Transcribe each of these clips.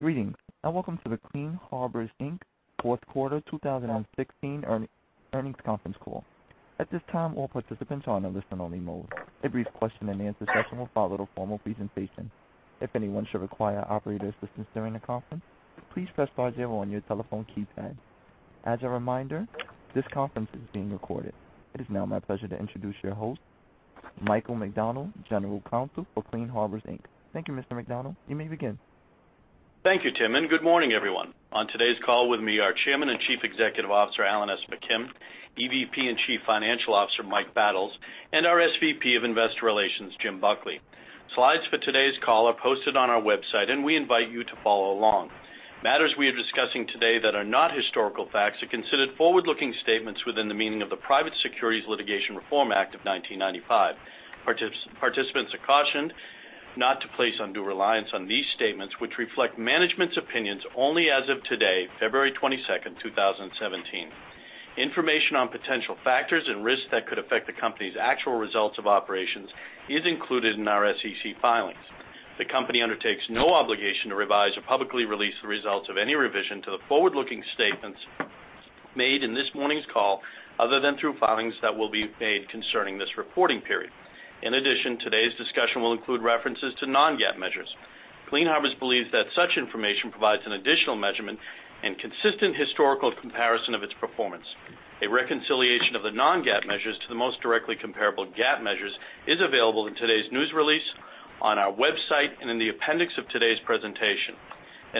Greetings and welcome to the Clean Harbors James Buckley 4th Quarter 2016 Earnings Conference Call. At this time, all participants are on a listen-only mode. A brief question-and-answer session will follow the formal presentation. If anyone should require operator assistance during the conference, please press star zero on your telephone keypad. As a reminder, this conference is being recorded. It is now my pleasure to introduce your host, Michael McDonald, General Counsel for Clean Harbors, Inc. Thank you, Mr. McDonald. You may begin. Thank you, Tim, and good morning, everyone. On today's call with me are Chairman and Chief Executive Officer Alan S. McKim, EVP and Chief Financial Officer Mike Battles, and our SVP of Investor Relations, Jim Buckley. Slides for today's call are posted on our website, and we invite you to follow along. Matters we are discussing today that are not historical facts are considered forward-looking statements within the meaning of the Private Securities Litigation Reform Act of 1995. Participants are cautioned not to place undue reliance on these statements, which reflect management's opinions only as of today, February 22nd, 2017. Information on potential factors and risks that could affect the company's actual results of operations is included in our SEC filings. The company undertakes no obligation to revise or publicly release the results of any revision to the forward-looking statements made in this morning's call other than through filings that will be made concerning this reporting period. In addition, today's discussion will include references to non-GAAP measures. Clean Harbors believes that such information provides an additional measurement and consistent historical comparison of its performance. A reconciliation of the non-GAAP measures to the most directly comparable GAAP measures is available in today's news release, on our website, and in the appendix of today's presentation.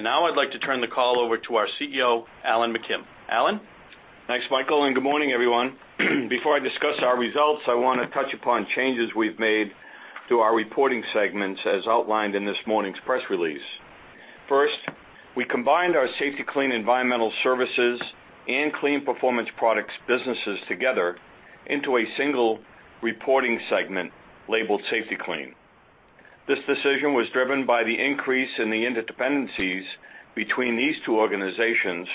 Now I'd like to turn the call over to our CEO, Alan McKim. Alan? Thanks, Michael, and good morning, everyone. Before I discuss our results, I want to touch upon changes we've made to our reporting segments as outlined in this morning's press release. First, we combined our Safety-Kleen Environmental Services and Kleen Performance Products businesses together into a single reporting segment labeled Safety-Kleen. This decision was driven by the increase in the interdependencies between these two organizations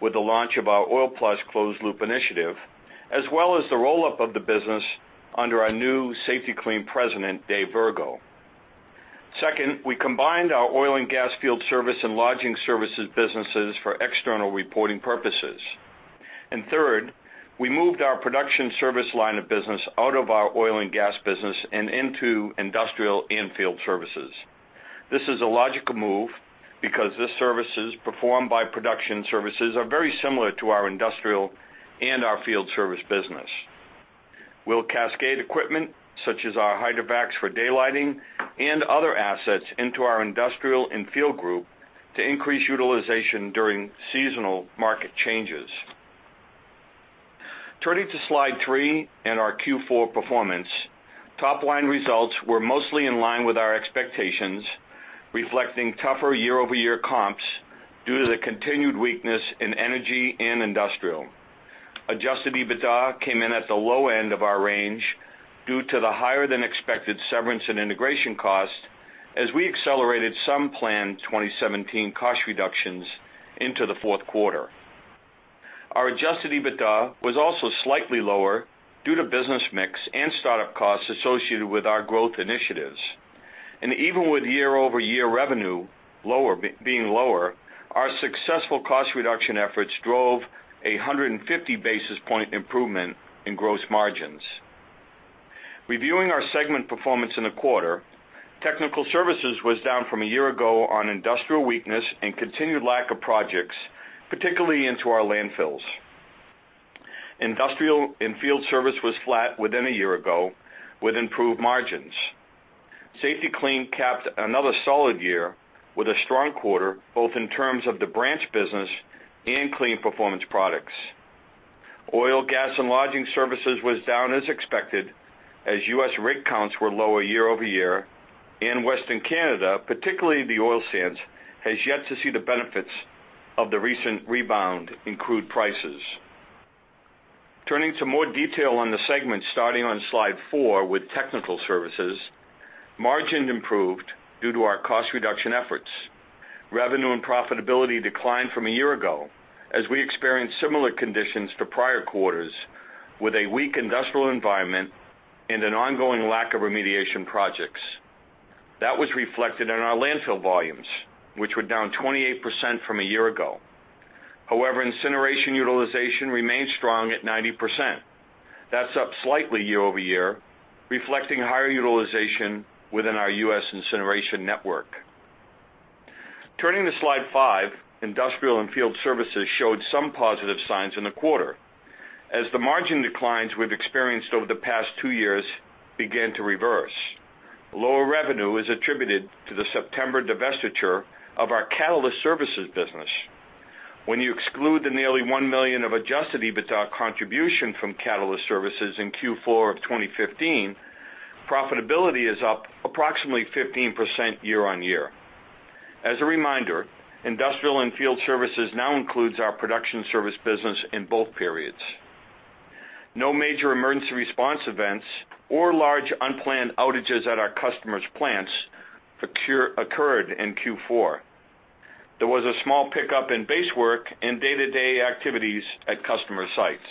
with the launch of our OilPlus Closed Loop Initiative, as well as the roll-up of the business under our new Safety-Kleen President, Dave Virgo. Second, we combined our oil and gas field service and lodging services businesses for external reporting purposes. And third, we moved our Production Service line of business out of our oil and gas business and into Industrial and Field Services. This is a logical move because the services performed by Production Services are very similar to our industrial and our field service business. We'll cascade equipment such as our Hydrovacs for daylighting and other assets into our industrial and field group to increase utilization during seasonal market changes. Turning to slide 3 and our Q4 performance, top-line results were mostly in line with our expectations, reflecting tougher year-over-year comps due to the continued weakness in energy and industrial. Adjusted EBITDA came in at the low end of our range due to the higher-than-expected severance and integration costs as we accelerated some planned 2017 cost reductions into the fourth quarter. Our adjusted EBITDA was also slightly lower due to business mix and startup costs associated with our growth initiatives. Even with year-over-year revenue being lower, our successful cost reduction efforts drove a 150 basis point improvement in gross margins. Reviewing our segment performance in the quarter, Technical Services was down from a year ago on industrial weakness and continued lack of projects, particularly into our landfills. Industrial and field service was flat within a year ago with improved margins. Safety-Kleen capped another solid year with a strong quarter both in terms of the branch business and Kleen performance products. Oil, Gas, and Lodging Services was down as expected as U.S. rig counts were lower year-over-year, and Western Canada, particularly the oil sands, has yet to see the benefits of the recent rebound in crude prices. Turning to more detail on the segment starting on slide four with Technical Services, margins improved due to our cost reduction efforts. Revenue and profitability declined from a year ago as we experienced similar conditions to prior quarters with a weak industrial environment and an ongoing lack of remediation projects. That was reflected in our landfill volumes, which were down 28% from a year ago. However, incineration utilization remained strong at 90%. That's up slightly year-over-year, reflecting higher utilization within our U.S. incineration network. Turning to slide 5, Industrial and Field Services showed some positive signs in the quarter. As the margin declines we've experienced over the past two years began to reverse. Lower revenue is attributed to the September divestiture of our Catalyst Services business. When you exclude the nearly $1 million of adjusted EBITDA contribution from Catalyst Services in Q4 of 2015, profitability is up approximately 15% year-on-year. As a reminder, Industrial and Field Services now includes our Production Service business in both periods. No major emergency response events or large unplanned outages at our customers' plants occurred in Q4. There was a small pickup in base work and day-to-day activities at customer sites.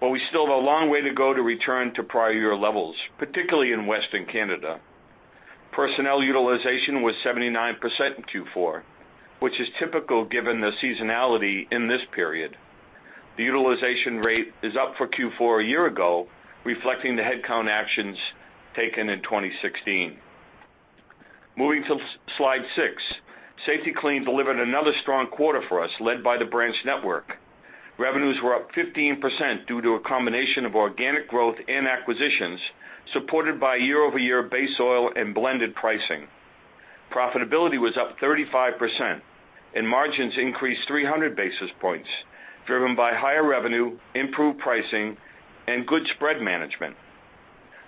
But we still have a long way to go to return to prior year levels, particularly in Western Canada. Personnel utilization was 79% in Q4, which is typical given the seasonality in this period. The utilization rate is up for Q4 a year ago, reflecting the headcount actions taken in 2016. Moving to slide six, Safety-Kleen delivered another strong quarter for us led by the branch network. Revenues were up 15% due to a combination of organic growth and acquisitions supported by year-over-year base oil and blended pricing. Profitability was up 35%, and margins increased 300 basis points driven by higher revenue, improved pricing, and good spread management.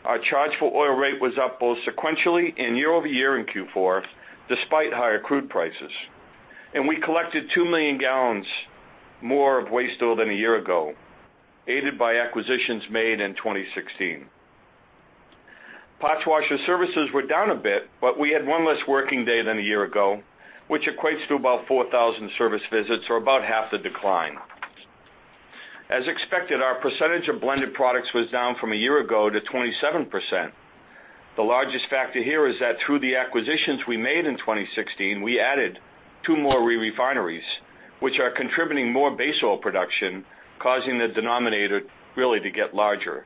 Our Charge-for-Oil rate was up both sequentially and year-over-year in Q4 despite higher crude prices. We collected 2 million gallons more of waste oil than a year ago, aided by acquisitions made in 2016. Parts washer services were down a bit, but we had one less working day than a year ago, which equates to about 4,000 service visits or about half the decline. As expected, our percentage of blended products was down from a year ago to 27%. The largest factor here is that through the acquisitions we made in 2016, we added two more re-refineries, which are contributing more base oil production, causing the denominator really to get larger.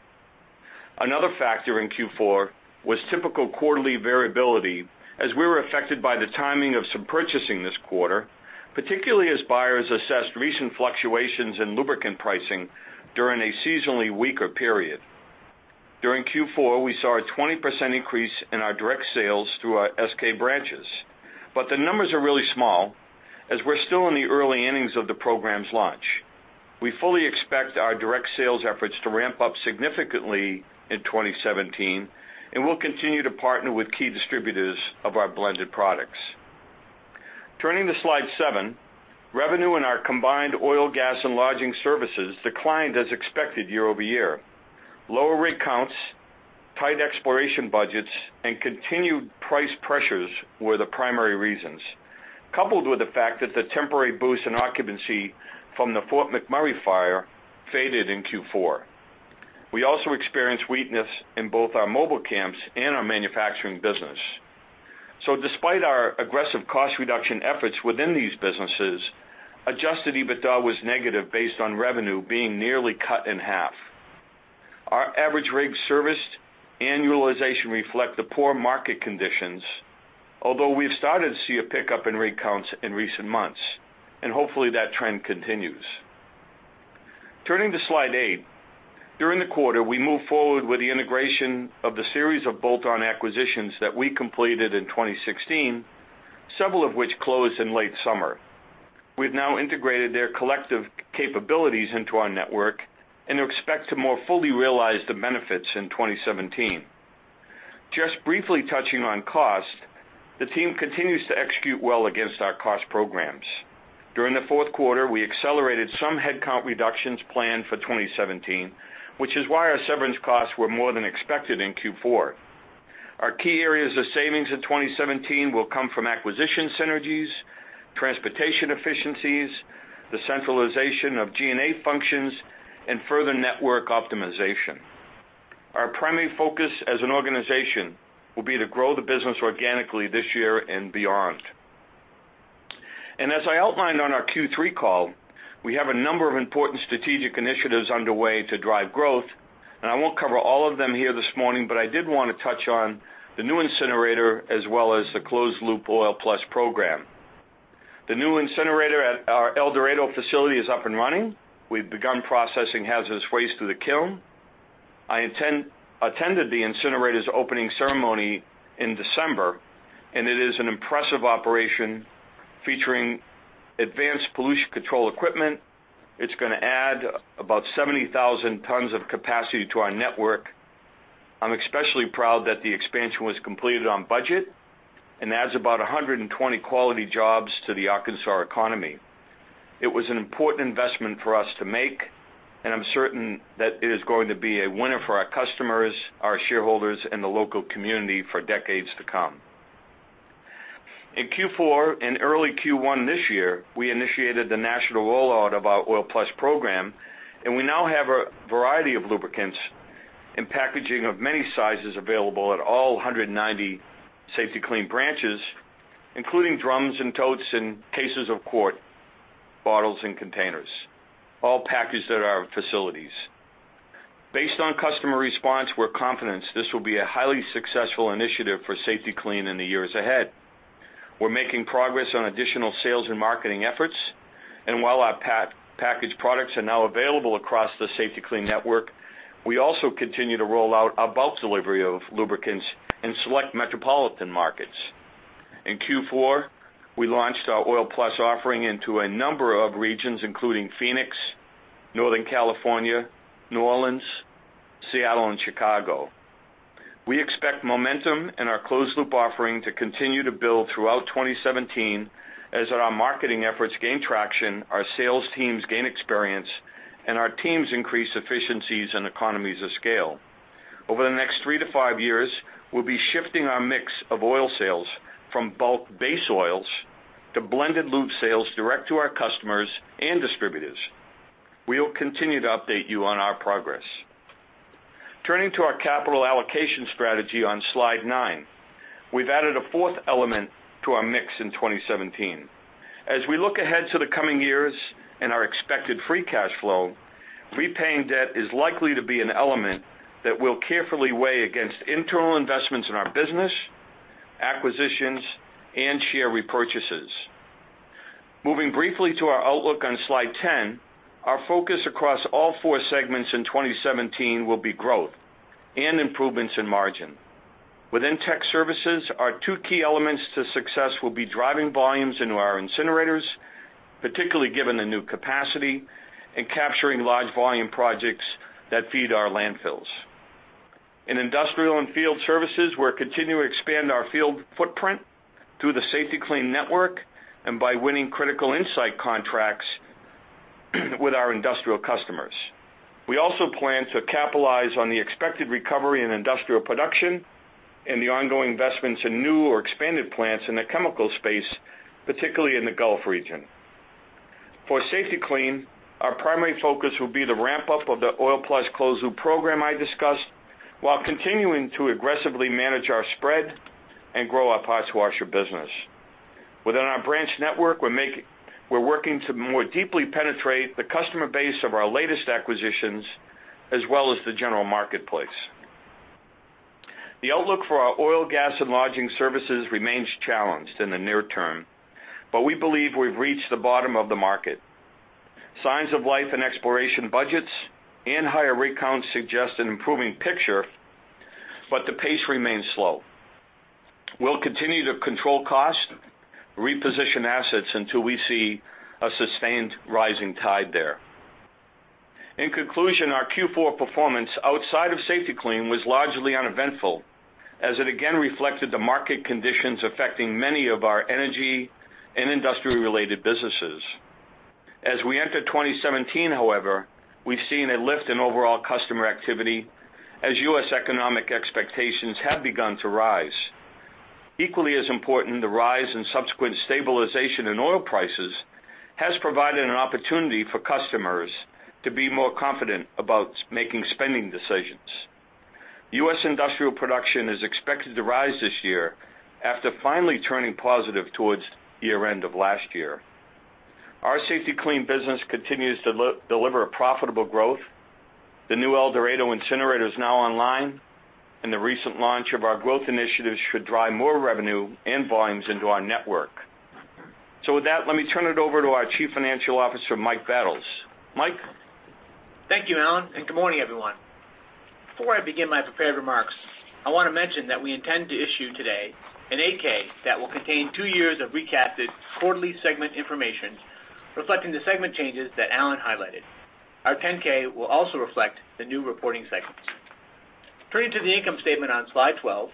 Another factor in Q4 was typical quarterly variability as we were affected by the timing of some purchasing this quarter, particularly as buyers assessed recent fluctuations in lubricant pricing during a seasonally weaker period. During Q4, we saw a 20% increase in our direct sales through our SK branches. But the numbers are really small as we're still in the early innings of the program's launch. We fully expect our direct sales efforts to ramp up significantly in 2017, and we'll continue to partner with key distributors of our blended products. Turning to slide seven, revenue in our combined Oil, Gas, and Lodging Services declined as expected year-over-year. Lower rig counts, tight exploration budgets, and continued price pressures were the primary reasons, coupled with the fact that the temporary boost in occupancy from the Fort McMurray fire faded in Q4. We also experienced weakness in both our mobile camps and our manufacturing business. So despite our aggressive cost reduction efforts within these businesses, adjusted EBITDA was negative based on revenue being nearly cut in half. Our average rig service annualization reflects the poor market conditions, although we've started to see a pickup in rig counts in recent months, and hopefully that trend continues. Turning to slide 8, during the quarter, we moved forward with the integration of the series of bolt-on acquisitions that we completed in 2016, several of which closed in late summer. We've now integrated their collective capabilities into our network and expect to more fully realize the benefits in 2017. Just briefly touching on cost, the team continues to execute well against our cost programs. During the fourth quarter, we accelerated some headcount reductions planned for 2017, which is why our severance costs were more than expected in Q4. Our key areas of savings in 2017 will come from acquisition synergies, transportation efficiencies, the centralization of G&A functions, and further network optimization. Our primary focus as an organization will be to grow the business organically this year and beyond. As I outlined on our Q3 call, we have a number of important strategic initiatives underway to drive growth, and I won't cover all of them here this morning, but I did want to touch on the new incinerator as well as the closed-loop OilPlus program. The new incinerator at our El Dorado facility is up and running. We've begun processing hazardous waste through the kiln. I attended the incinerator's opening ceremony in December, and it is an impressive operation featuring advanced pollution control equipment. It's going to add about 70,000 tons of capacity to our network. I'm especially proud that the expansion was completed on budget and adds about 120 quality jobs to the Arkansas economy. It was an important investment for us to make, and I'm certain that it is going to be a winner for our customers, our shareholders, and the local community for decades to come. In Q4 and early Q1 this year, we initiated the national rollout of our OilPlus program, and we now have a variety of lubricants and packaging of many sizes available at all 190 Safety-Kleen branches, including drums and totes and cases of quart bottles and containers, all packaged at our facilities. Based on customer response with confidence, this will be a highly successful initiative for Safety-Kleen in the years ahead. We're making progress on additional sales and marketing efforts, and while our packaged products are now available across the Safety-Kleen network, we also continue to roll out about delivery of lubricants in select metropolitan markets. In Q4, we launched our OilPlus offering into a number of regions, including Phoenix, Northern California, New Orleans, Seattle, and Chicago. We expect momentum in our Closed Loop offering to continue to build throughout 2017 as our marketing efforts gain traction, our sales teams gain experience, and our teams increase efficiencies and economies of scale. Over the next three to five years, we'll be shifting our mix of oil sales from bulk Base Oils to blended loop sales direct to our customers and distributors. We'll continue to update you on our progress. Turning to our capital allocation strategy on slide nine, we've added a fourth element to our mix in 2017. As we look ahead to the coming years and our expected free cash flow, repaying debt is likely to be an element that we'll carefully weigh against internal investments in our business, acquisitions, and share repurchases. Moving briefly to our outlook on slide 10, our focus across all four segments in 2017 will be growth and improvements in margin. Within tech services, our two key elements to success will be driving volumes into our incinerators, particularly given the new capacity and capturing large volume projects that feed our landfills. In Industrial and Field Services, we're continuing to expand our field footprint through the Safety-Kleen network and by winning critical insight contracts with our industrial customers. We also plan to capitalize on the expected recovery in industrial production and the ongoing investments in new or expanded plants in the chemical space, particularly in the Gulf Region. For Safety-Kleen, our primary focus will be the ramp-up of the OilPlus closed-loop program I discussed while continuing to aggressively manage our spread and grow our parts washer business. Within our branch network, we're working to more deeply penetrate the customer base of our latest acquisitions as well as the general marketplace. The outlook for our Oil, Gas, and Lodging Services remains challenged in the near term, but we believe we've reached the bottom of the market. Signs of life and exploration budgets and higher rig counts suggest an improving picture, but the pace remains slow. We'll continue to control cost, reposition assets until we see a sustained rising tide there. In conclusion, our Q4 performance outside of Safety-Kleen was largely uneventful as it again reflected the market conditions affecting many of our energy and industry-related businesses. As we enter 2017, however, we've seen a lift in overall customer activity as U.S. economic expectations have begun to rise. Equally as important, the rise in subsequent stabilization in oil prices has provided an opportunity for customers to be more confident about making spending decisions. US industrial production is expected to rise this year after finally turning positive towards year-end of last year. Our Safety-Kleen business continues to deliver profitable growth. The new El Dorado incinerator is now online, and the recent launch of our growth initiatives should drive more revenue and volumes into our network. With that, let me turn it over to our Chief Financial Officer, Mike Battles. Mike. Thank you, Alan, and good morning, everyone. Before I begin my prepared remarks, I want to mention that we intend to issue today an 8-K that will contain two years of recast quarterly segment information reflecting the segment changes that Alan highlighted. Our 10-K will also reflect the new reporting segments. Turning to the income statement on slide 12,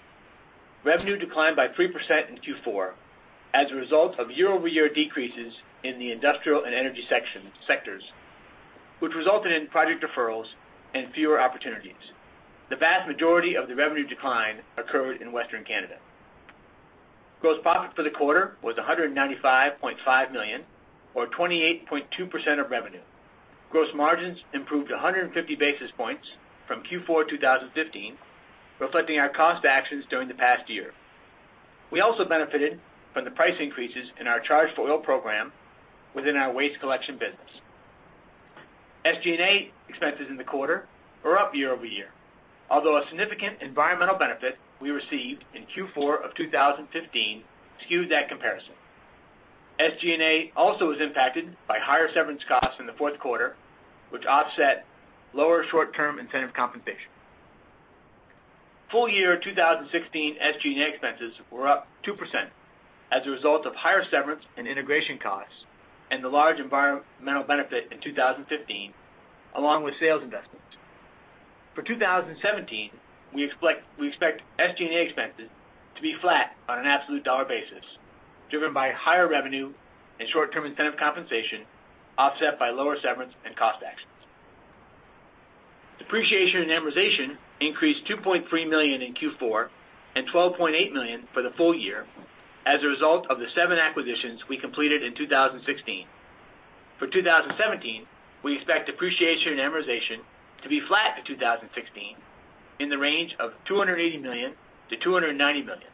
revenue declined by 3% in Q4 as a result of year-over-year decreases in the industrial and energy sectors, which resulted in project deferrals and fewer opportunities. The vast majority of the revenue decline occurred in Western Canada. Gross profit for the quarter was $195.5 million, or 28.2% of revenue. Gross margins improved 150 basis points from Q4 2015, reflecting our cost actions during the past year. We also benefited from the price increases in our charge for oil program within our waste collection business. SG&A expenses in the quarter were up year-over-year, although a significant environmental benefit we received in Q4 of 2015 skewed that comparison. SG&A also was impacted by higher severance costs in the fourth quarter, which offset lower short-term incentive compensation. Full year 2016 SG&A expenses were up 2% as a result of higher severance and integration costs and the large environmental benefit in 2015, along with sales investments. For 2017, we expect SG&A expenses to be flat on an absolute dollar basis, driven by higher revenue and short-term incentive compensation offset by lower severance and cost actions. Depreciation and amortization increased $2.3 million in Q4 and $12.8 million for the full year as a result of the seven acquisitions we completed in 2016. For 2017, we expect depreciation and amortization to be flat in 2016 in the range of $280 million to $290 million,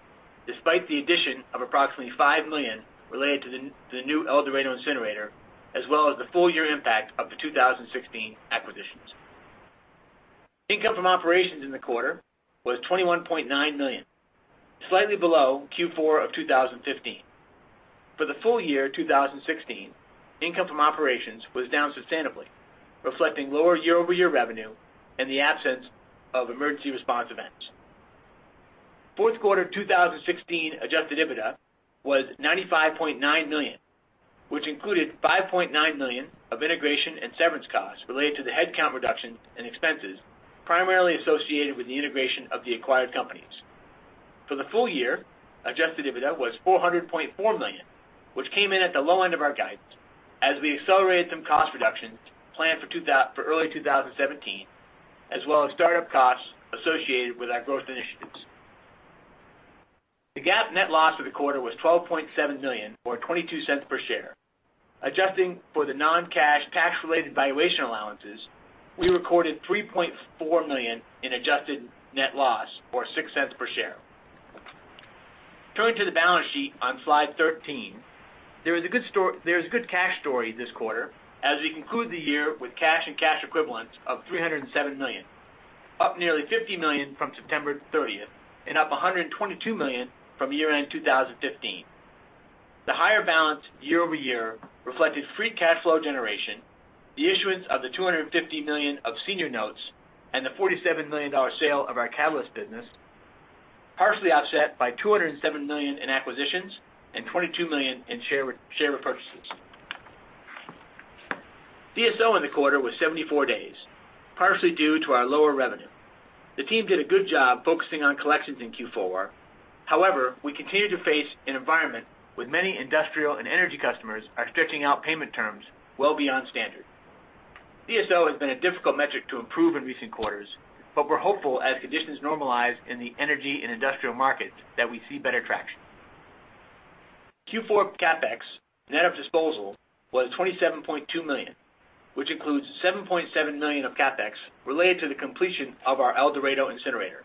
despite the addition of approximately $5 million related to the new El Dorado incinerator, as well as the full year impact of the 2016 acquisitions. Income from operations in the quarter was $21.9 million, slightly below Q4 of 2015. For the full year 2016, income from operations was down substantially, reflecting lower year-over-year revenue and the absence of emergency response events. Fourth quarter 2016 adjusted EBITDA was $95.9 million, which included $5.9 million of integration and severance costs related to the headcount reduction and expenses primarily associated with the integration of the acquired companies. For the full year, Adjusted EBITDA was $400.4 million, which came in at the low end of our guidance as we accelerated some cost reductions planned for early 2017, as well as startup costs associated with our growth initiatives. The GAAP net loss for the quarter was $12.7 million, or $0.22 per share. Adjusting for the non-cash tax-related valuation allowances, we recorded $3.4 million in adjusted net loss, or $0.06 per share. Turning to the balance sheet on slide 13, there is a good cash story this quarter as we conclude the year with cash and cash equivalents of $307 million, up nearly $50 million from September 30th and up $122 million from year-end 2015. The higher balance year-over-year reflected free cash flow generation, the issuance of the $250 million of senior notes, and the $47 million sale of our catalyst business, partially offset by $207 million in acquisitions and $22 million in share repurchases. DSO in the quarter was 74 days, partially due to our lower revenue. The team did a good job focusing on collections in Q4. However, we continue to face an environment with many industrial and energy customers stretching out payment terms well beyond standard. DSO has been a difficult metric to improve in recent quarters, but we're hopeful as conditions normalize in the energy and industrial markets that we see better traction. Q4 CAPEX net of disposal was $27.2 million, which includes $7.7 million of CAPEX related to the completion of our El Dorado incinerator.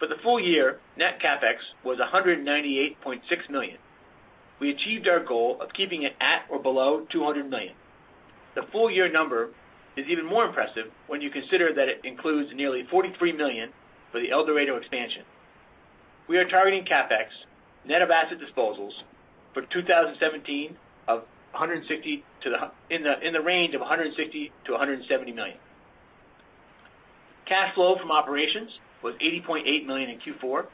For the full year, net CAPEX was $198.6 million. We achieved our goal of keeping it at or below $200 million. The full year number is even more impressive when you consider that it includes nearly $43 million for the El Dorado expansion. We are targeting CAPEX net of asset disposals for 2017 of in the range of $160 million-$170 million. Cash flow from operations was $80.8 million in Q4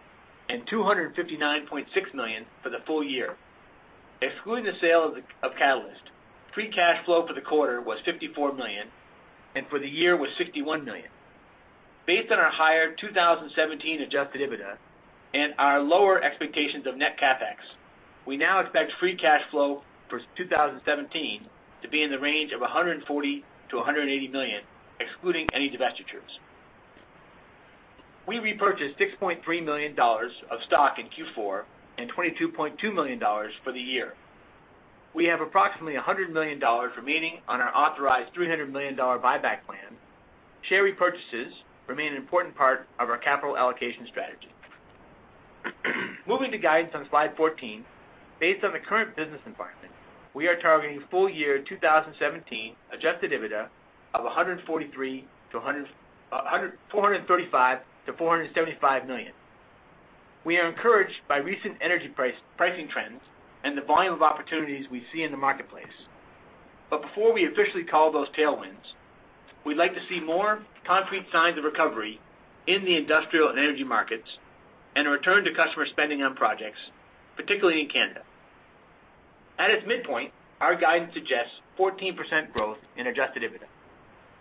and $259.6 million for the full year. Excluding the sale of catalyst, free cash flow for the quarter was $54 million, and for the year was $61 million. Based on our higher 2017 Adjusted EBITDA and our lower expectations of net CAPEX, we now expect free cash flow for 2017 to be in the range of $140 million-$180 million, excluding any divestitures. We repurchased $6.3 million of stock in Q4 and $22.2 million for the year. We have approximately $100 million remaining on our authorized $300 million buyback plan. Share repurchases remain an important part of our capital allocation strategy. Moving to guidance on slide 14, based on the current business environment, we are targeting full year 2017 Adjusted EBITDA of $435 to $475 million. We are encouraged by recent energy pricing trends and the volume of opportunities we see in the marketplace. But before we officially call those tailwinds, we'd like to see more concrete signs of recovery in the industrial and energy markets and a return to customer spending on projects, particularly in Canada. At its midpoint, our guidance suggests 14% growth in Adjusted EBITDA.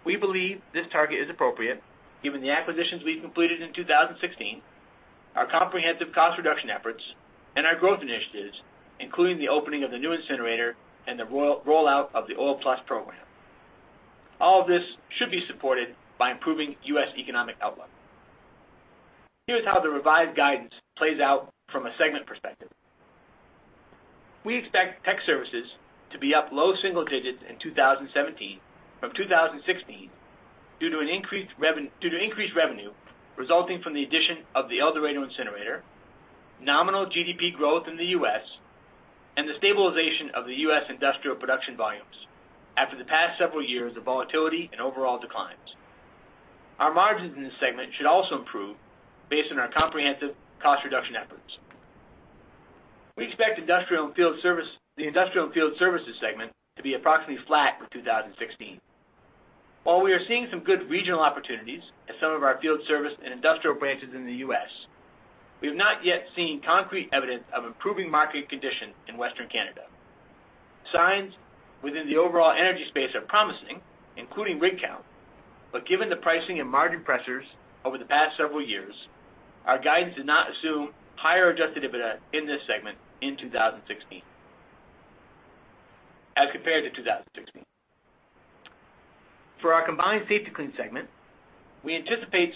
We believe this target is appropriate given the acquisitions we've completed in 2016, our comprehensive cost reduction efforts, and our growth initiatives, including the opening of the new incinerator and the rollout of the OilPlus program. All of this should be supported by improving U.S. economic outlook. Here's how the revised guidance plays out from a segment perspective. We expect Technical Services to be up low single digits in 2017 from 2016 due to increased revenue resulting from the addition of the El Dorado incinerator, nominal GDP growth in the U.S., and the stabilization of the U.S. industrial production volumes after the past several years of volatility and overall declines. Our margins in this segment should also improve based on our comprehensive cost reduction efforts. We expect the Industrial and Field Services segment to be approximately flat for 2016. While we are seeing some good regional opportunities at some of our field service and industrial branches in the U.S., we have not yet seen concrete evidence of improving market conditions in Western Canada. Signs within the overall energy space are promising, including rig count, but given the pricing and margin pressures over the past several years, our guidance did not assume higher adjusted EBITDA in this segment in 2016 as compared to 2016. For our combined Safety-Kleen segment, we anticipate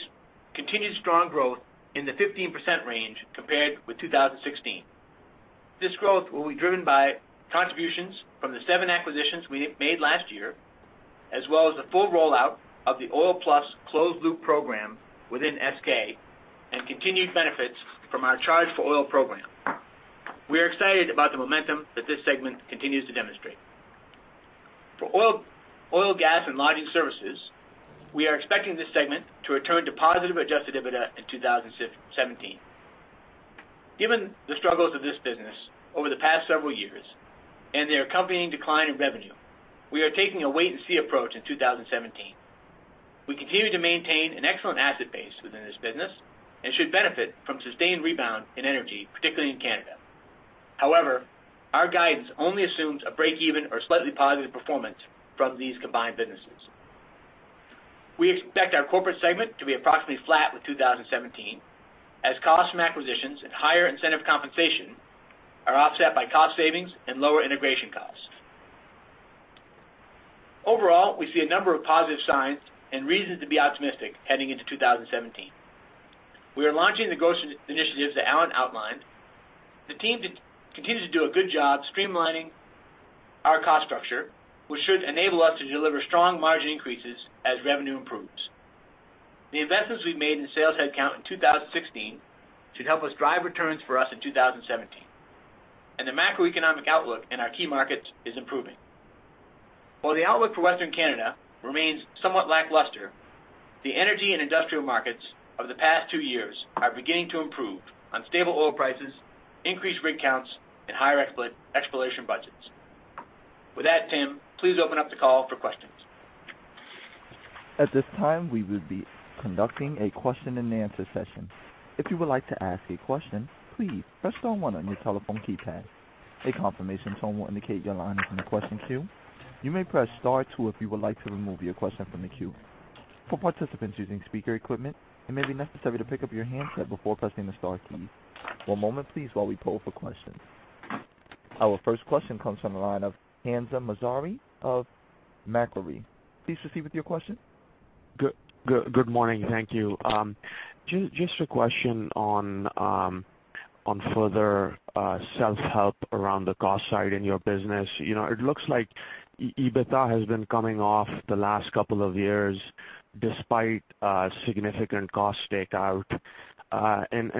continued strong growth in the 15% range compared with 2016. This growth will be driven by contributions from the seven acquisitions we made last year, as well as the full rollout of the OilPlus closed-loop program within SK and continued benefits from our charge for oil program. We are excited about the momentum that this segment continues to demonstrate. For, Oil, Gas, and Lodging Services we are expecting this segment to return to positive adjusted EBITDA in 2017. Given the struggles of this business over the past several years and the accompanying decline in revenue, we are taking a wait-and-see approach in 2017. We continue to maintain an excellent asset base within this business and should benefit from sustained rebound in energy, particularly in Canada. However, our guidance only assumes a break-even or slightly positive performance from these combined businesses. We expect our corporate segment to be approximately flat with 2017 as costs from acquisitions and higher incentive compensation are offset by cost savings and lower integration costs. Overall, we see a number of positive signs and reasons to be optimistic heading into 2017. We are launching the growth initiatives that Alan outlined. The team continues to do a good job streamlining our cost structure, which should enable us to deliver strong margin increases as revenue improves. The investments we've made in sales headcount in 2016 should help us drive returns for us in 2017, and the macroeconomic outlook in our key markets is improving. While the outlook for Western Canada remains somewhat lackluster, the energy and industrial markets of the past two years are beginning to improve on stable oil prices, increased rig counts, and higher exploration budgets. With that, Tim, please open up the call for questions. At this time, we will be conducting a question-and-answer session. If you would like to ask a question, please press star one on your telephone keypad. A confirmation tone will indicate your line is in the question queue. You may press star two if you would like to remove your question from the queue. For participants using speaker equipment, it may be necessary to pick up your handset before pressing the star key. One moment, please, while we poll for questions. Our first question comes from the line of Hamzah Mazari of Macquarie. Please proceed with your question. Good morning. Thank you. Just a question on further self-help around the cost side in your business. It looks like EBITDA has been coming off the last couple of years despite significant cost takeout. And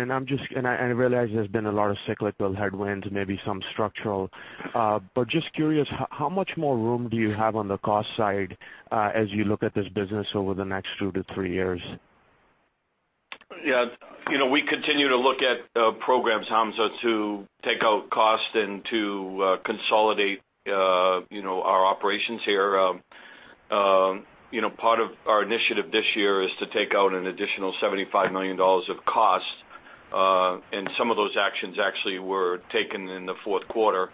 I realize there's been a lot of cyclical headwinds, maybe some structural. But just curious, how much more room do you have on the cost side as you look at this business over the next 2-3 years? Yeah. We continue to look at programs, Hamza, to take out cost and to consolidate our operations here. Part of our initiative this year is to take out an additional $75 million of cost. Some of those actions actually were taken in the fourth quarter.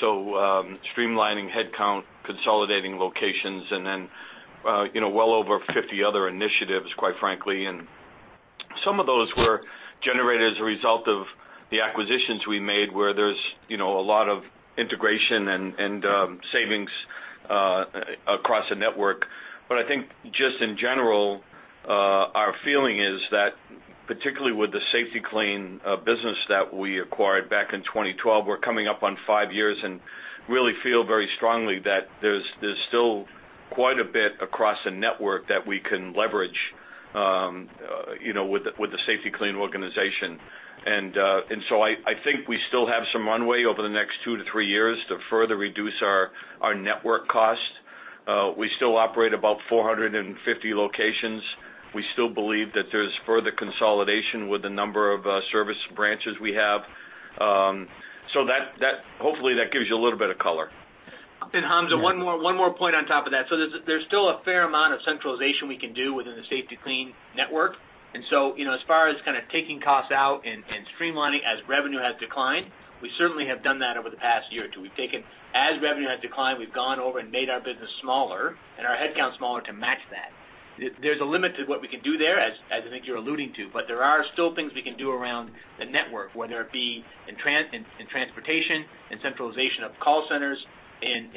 Streamlining headcount, consolidating locations, and then well over 50 other initiatives, quite frankly. Some of those were generated as a result of the acquisitions we made where there's a lot of integration and savings across the network. But I think just in general, our feeling is that particularly with the Safety-Kleen business that we acquired back in 2012, we're coming up on five years and really feel very strongly that there's still quite a bit across the network that we can leverage with the Safety-Kleen organization. So I think we still have some runway over the next 2-3 years to further reduce our network cost. We still operate about 450 locations. We still believe that there's further consolidation with the number of service branches we have. So hopefully that gives you a little bit of color. And Hamzah, one more point on top of that. So there's still a fair amount of centralization we can do within the Safety-Kleen network. And so as far as kind of taking costs out and streamlining as revenue has declined, we certainly have done that over the past year or two. As revenue has declined, we've gone over and made our business smaller and our headcount smaller to match that. There's a limit to what we can do there, as I think you're alluding to, but there are still things we can do around the network, whether it be in transportation, in centralization of call centers, in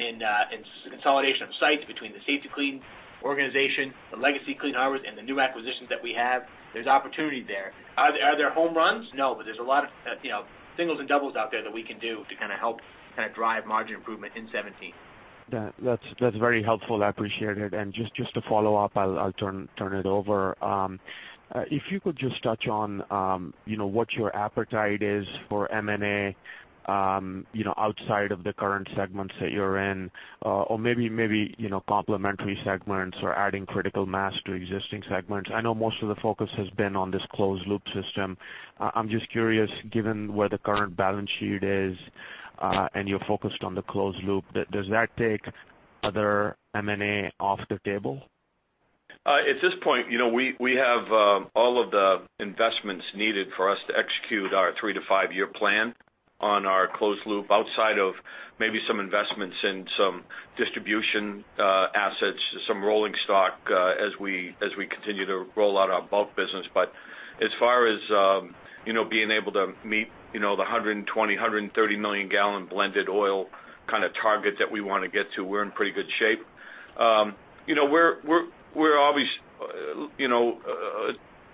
consolidation of sites between the Safety-Kleen organization, the Legacy Clean Harbors, and the new acquisitions that we have. There's opportunity there. Are there home runs? No, but there's a lot of singles and doubles out there that we can do to kind of help kind of drive margin improvement in 2017. That's very helpful. I appreciate it. And just to follow up, I'll turn it over. If you could just touch on what your appetite is for M&A outside of the current segments that you're in, or maybe complementary segments or adding critical mass to existing segments. I know most of the focus has been on this Closed Loop system. I'm just curious, given where the current balance sheet is and you're focused on the Closed Loop, does that take other M&A off the table? At this point, we have all of the investments needed for us to execute our 3-5-year plan on our Closed Loop outside of maybe some investments in some distribution assets, some rolling stock as we continue to roll out our bulk business. But as far as being able to meet the 120-130 million gallon Blended Oil kind of target that we want to get to, we're in pretty good shape. We're obviously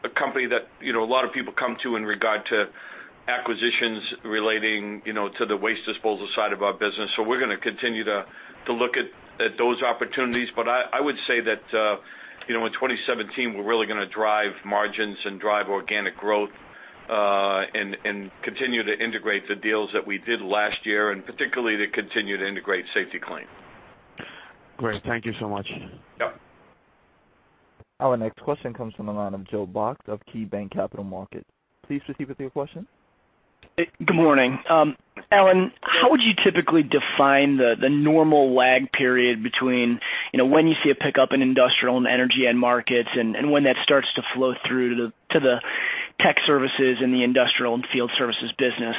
a company that a lot of people come to in regard to acquisitions relating to the waste disposal side of our business. So we're going to continue to look at those opportunities. But I would say that in 2017, we're really going to drive margins and drive organic growth and continue to integrate the deals that we did last year and particularly to continue to integrate Safety-Kleen. Great. Thank you so much. Yep. Our next question comes from the line of Joe Box of KeyBanc Capital Markets. Please proceed with your question. Good morning. Alan, how would you typically define the normal lag period between when you see a pickup in industrial and energy end markets and when that starts to flow through to the tech services and the Industrial and Field Services business?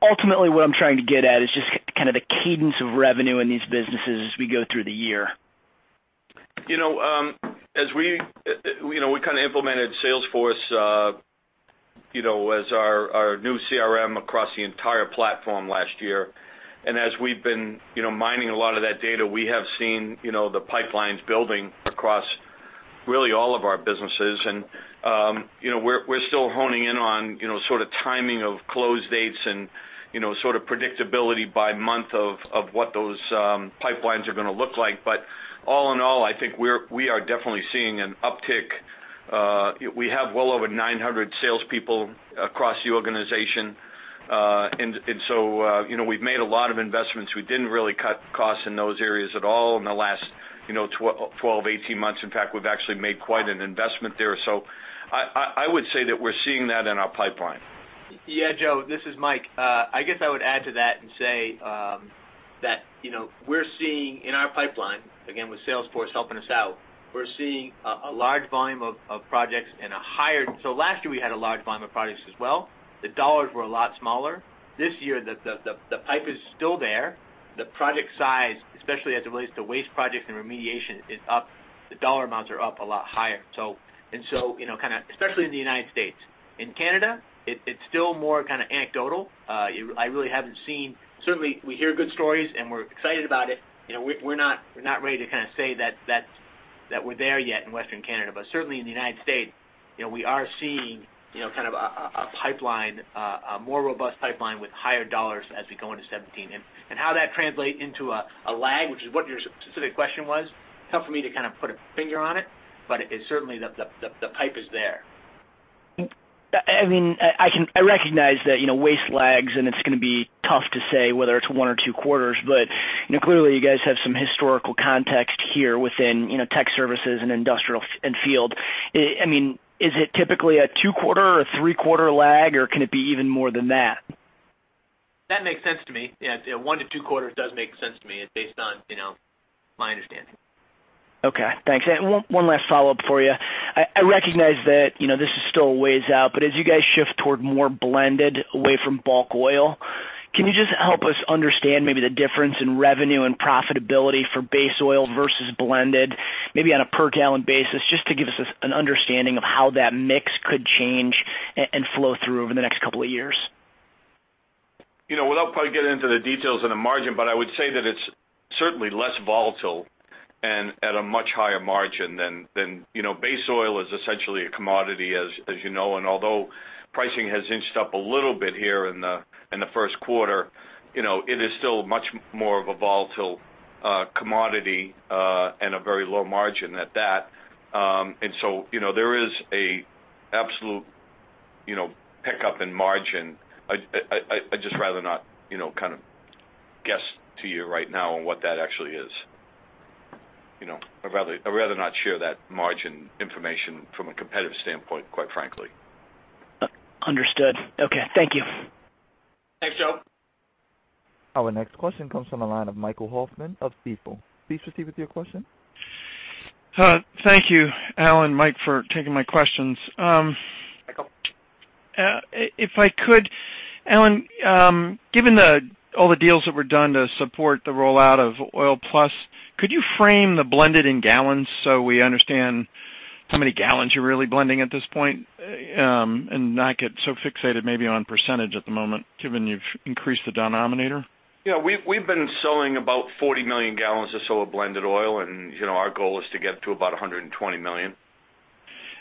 Ultimately, what I'm trying to get at is just kind of the cadence of revenue in these businesses as we go through the year. As we kind of implemented Salesforce as our new CRM across the entire platform last year, and as we've been mining a lot of that data, we have seen the pipelines building across really all of our businesses. We're still honing in on sort of timing of close dates and sort of predictability by month of what those pipelines are going to look like. But all in all, I think we are definitely seeing an uptick. We have well over 900 salespeople across the organization. We've made a lot of investments. We didn't really cut costs in those areas at all in the last 12-18 months. In fact, we've actually made quite an investment there. So I would say that we're seeing that in our pipeline. Yeah, Joe, this is Mike. I guess I would add to that and say that we're seeing in our pipeline, again, with Salesforce helping us out, we're seeing a large volume of projects and a higher, so last year, we had a large volume of projects as well. The dollars were a lot smaller. This year, the pipe is still there. The project size, especially as it relates to waste projects and remediation, is up. The dollar amounts are up a lot higher. And so kind of especially in the United States. In Canada, it's still more kind of anecdotal. I really haven't seen. Certainly, we hear good stories and we're excited about it. We're not ready to kind of say that we're there yet in Western Canada. Certainly, in the United States, we are seeing kind of a pipeline, a more robust pipeline with higher dollars as we go into 2017. How that translates into a lag, which is what your specific question was, tough for me to kind of put a finger on it, but certainly, the pipe is there. I mean, I recognize that waste lags, and it's going to be tough to say whether it's one or two-quarters, but clearly, you guys have some historical context here within tech services and industrial and field. I mean, is it typically a two-quarter or three-quarter lag, or can it be even more than that? That makes sense to me. Yeah. 1-2 quarters does make sense to me based on my understanding. Okay. Thanks. One last follow-up for you. I recognize that this is still ways out, but as you guys shift toward more blended away from bulk oil, can you just help us understand maybe the difference in revenue and profitability for base oil versus blended, maybe on a per gallon basis, just to give us an understanding of how that mix could change and flow through over the next couple of years? Without probably getting into the details of the margin, but I would say that it's certainly less volatile and at a much higher margin than base oil is essentially a commodity, as you know. Although pricing has inched up a little bit here in the first quarter, it is still much more of a volatile commodity and a very low margin at that. So there is an absolute pickup in margin. I'd just rather not kind of guess to you right now on what that actually is. I'd rather not share that margin information from a competitive standpoint, quite frankly. Understood. Okay. Thank you. Thanks, Joe. Our next question comes from the line of Michael Hoffman of Stifel. Please proceed with your question. Thank you, Alan and Mike, for taking my questions. Michael. If I could, Alan, given all the deals that were done to support the rollout of OilPlus, could you frame the blended in gallons so we understand how many gallons you're really blending at this point and not get so fixated maybe on percentage at the moment, given you've increased the denominator? Yeah. We've been selling about 40 million gallons or so of Blended Oil, and our goal is to get to about 120 million.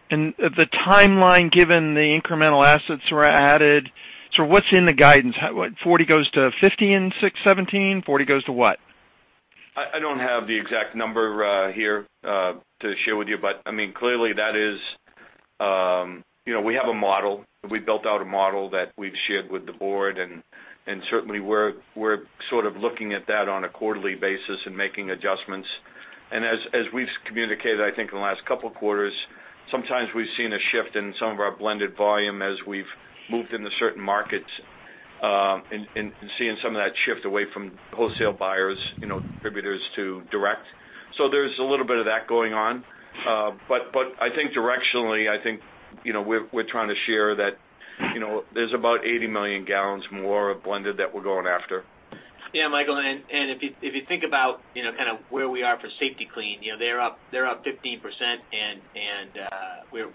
And the timeline, given the incremental assets that were added, so what's in the guidance? 40 goes to 50 in 2017? 40 goes to what? I don't have the exact number here to share with you, but I mean, clearly, that is we have a model. We built out a model that we've shared with the board, and certainly, we're sort of looking at that on a quarterly basis and making adjustments. And as we've communicated, I think, in the last couple of quarters, sometimes we've seen a shift in some of our blended volume as we've moved into certain markets and seeing some of that shift away from wholesale buyers, distributors to direct. So there's a little bit of that going on. But I think directionally, I think we're trying to share that there's about 80 million gallons more of blended that we're going after. Yeah, Michael. If you think about kind of where we are for Safety-Kleen, they're up 15%, and we're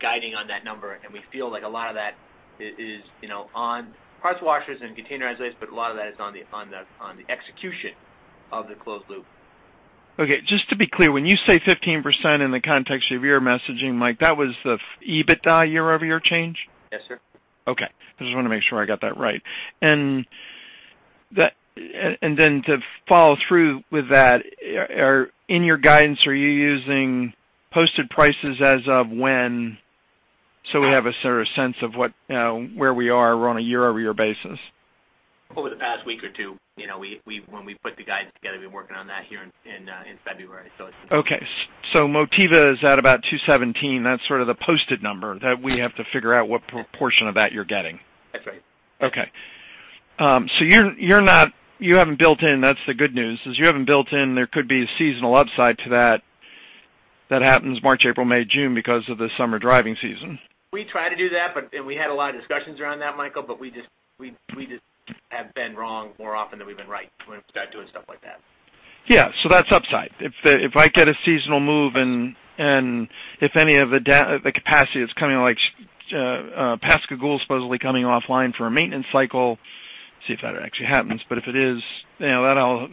guiding on that number. We feel like a lot of that is on parts washers and containerized, but a lot of that is on the execution of the Closed Loop. Okay. Just to be clear, when you say 15% in the context of your messaging, Mike, that was the EBITDA year-over-year change? Yes, sir. Okay. I just want to make sure I got that right. And then to follow through with that, in your guidance, are you using posted prices as of when? So we have a sort of sense of where we are on a year-over-year basis. Over the past week or two, when we put the guidance together, we've been working on that here in February. So it's. Okay. So Motiva is at about 217. That's sort of the posted number that we have to figure out what proportion of that you're getting. That's right. Okay. So you haven't built in—that's the good news—is you haven't built in there could be a seasonal upside to that that happens March, April, May, June because of the summer driving season. We try to do that, and we had a lot of discussions around that, Michael, but we just have been wrong more often than we've been right when we start doing stuff like that. Yeah. So that's upside. If I get a seasonal move and if any of the capacity that's coming, like Pascagoula's supposedly coming offline for a maintenance cycle, see if that actually happens. But if it is, that'll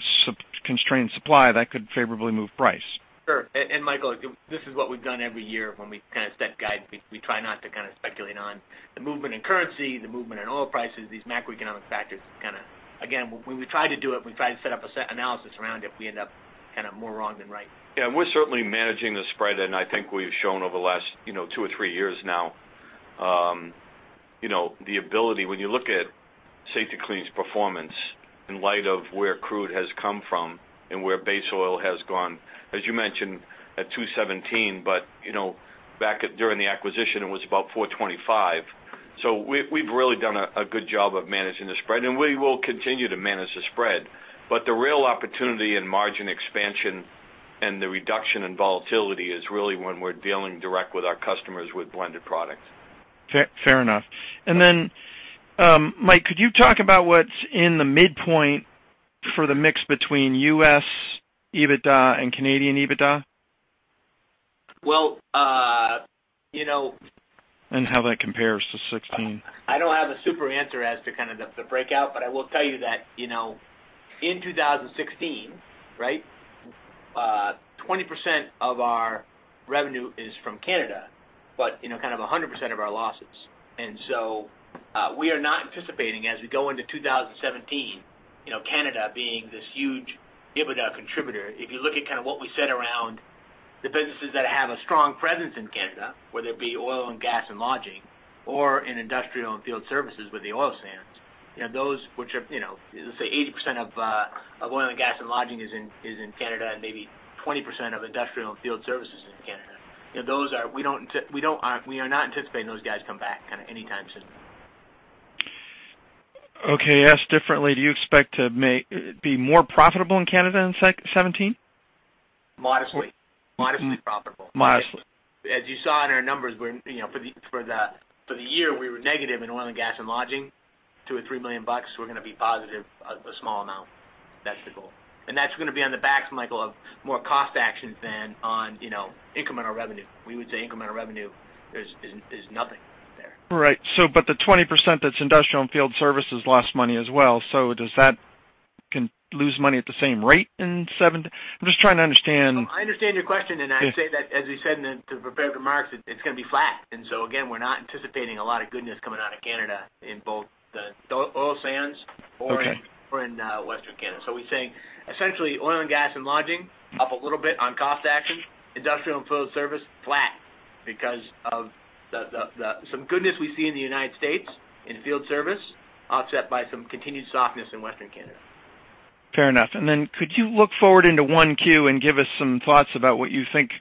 constrain supply. That could favorably move price. Sure. And Michael, this is what we've done every year when we kind of set guidance. We try not to kind of speculate on the movement in currency, the movement in oil prices, these macroeconomic factors. Again, when we try to do it, we try to set up an analysis around it. We end up kind of more wrong than right. Yeah. We're certainly managing the spread, and I think we've shown over the last two or three years now the ability when you look at Safety-Kleen's performance in light of where crude has come from and where base oil has gone, as you mentioned, at $217. But back during the acquisition, it was about $425. So we've really done a good job of managing the spread, and we will continue to manage the spread. But the real opportunity in margin expansion and the reduction in volatility is really when we're dealing direct with our customers with blended products. Fair enough. And then, Mike, could you talk about what's in the midpoint for the mix between U.S. EBITDA and Canadian EBITDA? Well. How that compares to 2016? I don't have a super answer as to kind of the breakout, but I will tell you that in 2016, right, 20% of our revenue is from Canada, but kind of 100% of our losses. And so we are not anticipating, as we go into 2017, Canada being this huge EBITDA contributor. If you look at kind of what we set around the businesses that have a strong presence in Canada, whether it be oil and gas and lodging or in Industrial and Field Services with the oil sands, those which are, let's say, 80% of oil and gas and lodging is in Canada and maybe 20% of Industrial and Field Services in Canada, those are we are not anticipating those guys come back kind of anytime soon. Okay. Asked differently, do you expect to be more profitable in Canada in 2017? Modestly. Modestly profitable. Modestly. As you saw in our numbers, for the year, we were negative in oil and gas and lodging, $2-$3 million. We're going to be positive a small amount. That's the goal. And that's going to be on the backs, Michael, of more cost actions than on incremental revenue. We would say incremental revenue is nothing there. Right. But the 20% that's Industrial and Field Services lost money as well. So does that lose money at the same rate in 2017? I'm just trying to understand. I understand your question, and I'd say that, as we said in the prepared remarks, it's going to be flat. So again, we're not anticipating a lot of goodness coming out of Canada in both the oil sands or in Western Canada. We're saying, essentially, oil and gas and lodging up a little bit on cost action, industrial and field service, flat because of some goodness we see in the United States in field service, offset by some continued softness in Western Canada. Fair enough. And then could you look forward into 1Q and give us some thoughts about what you think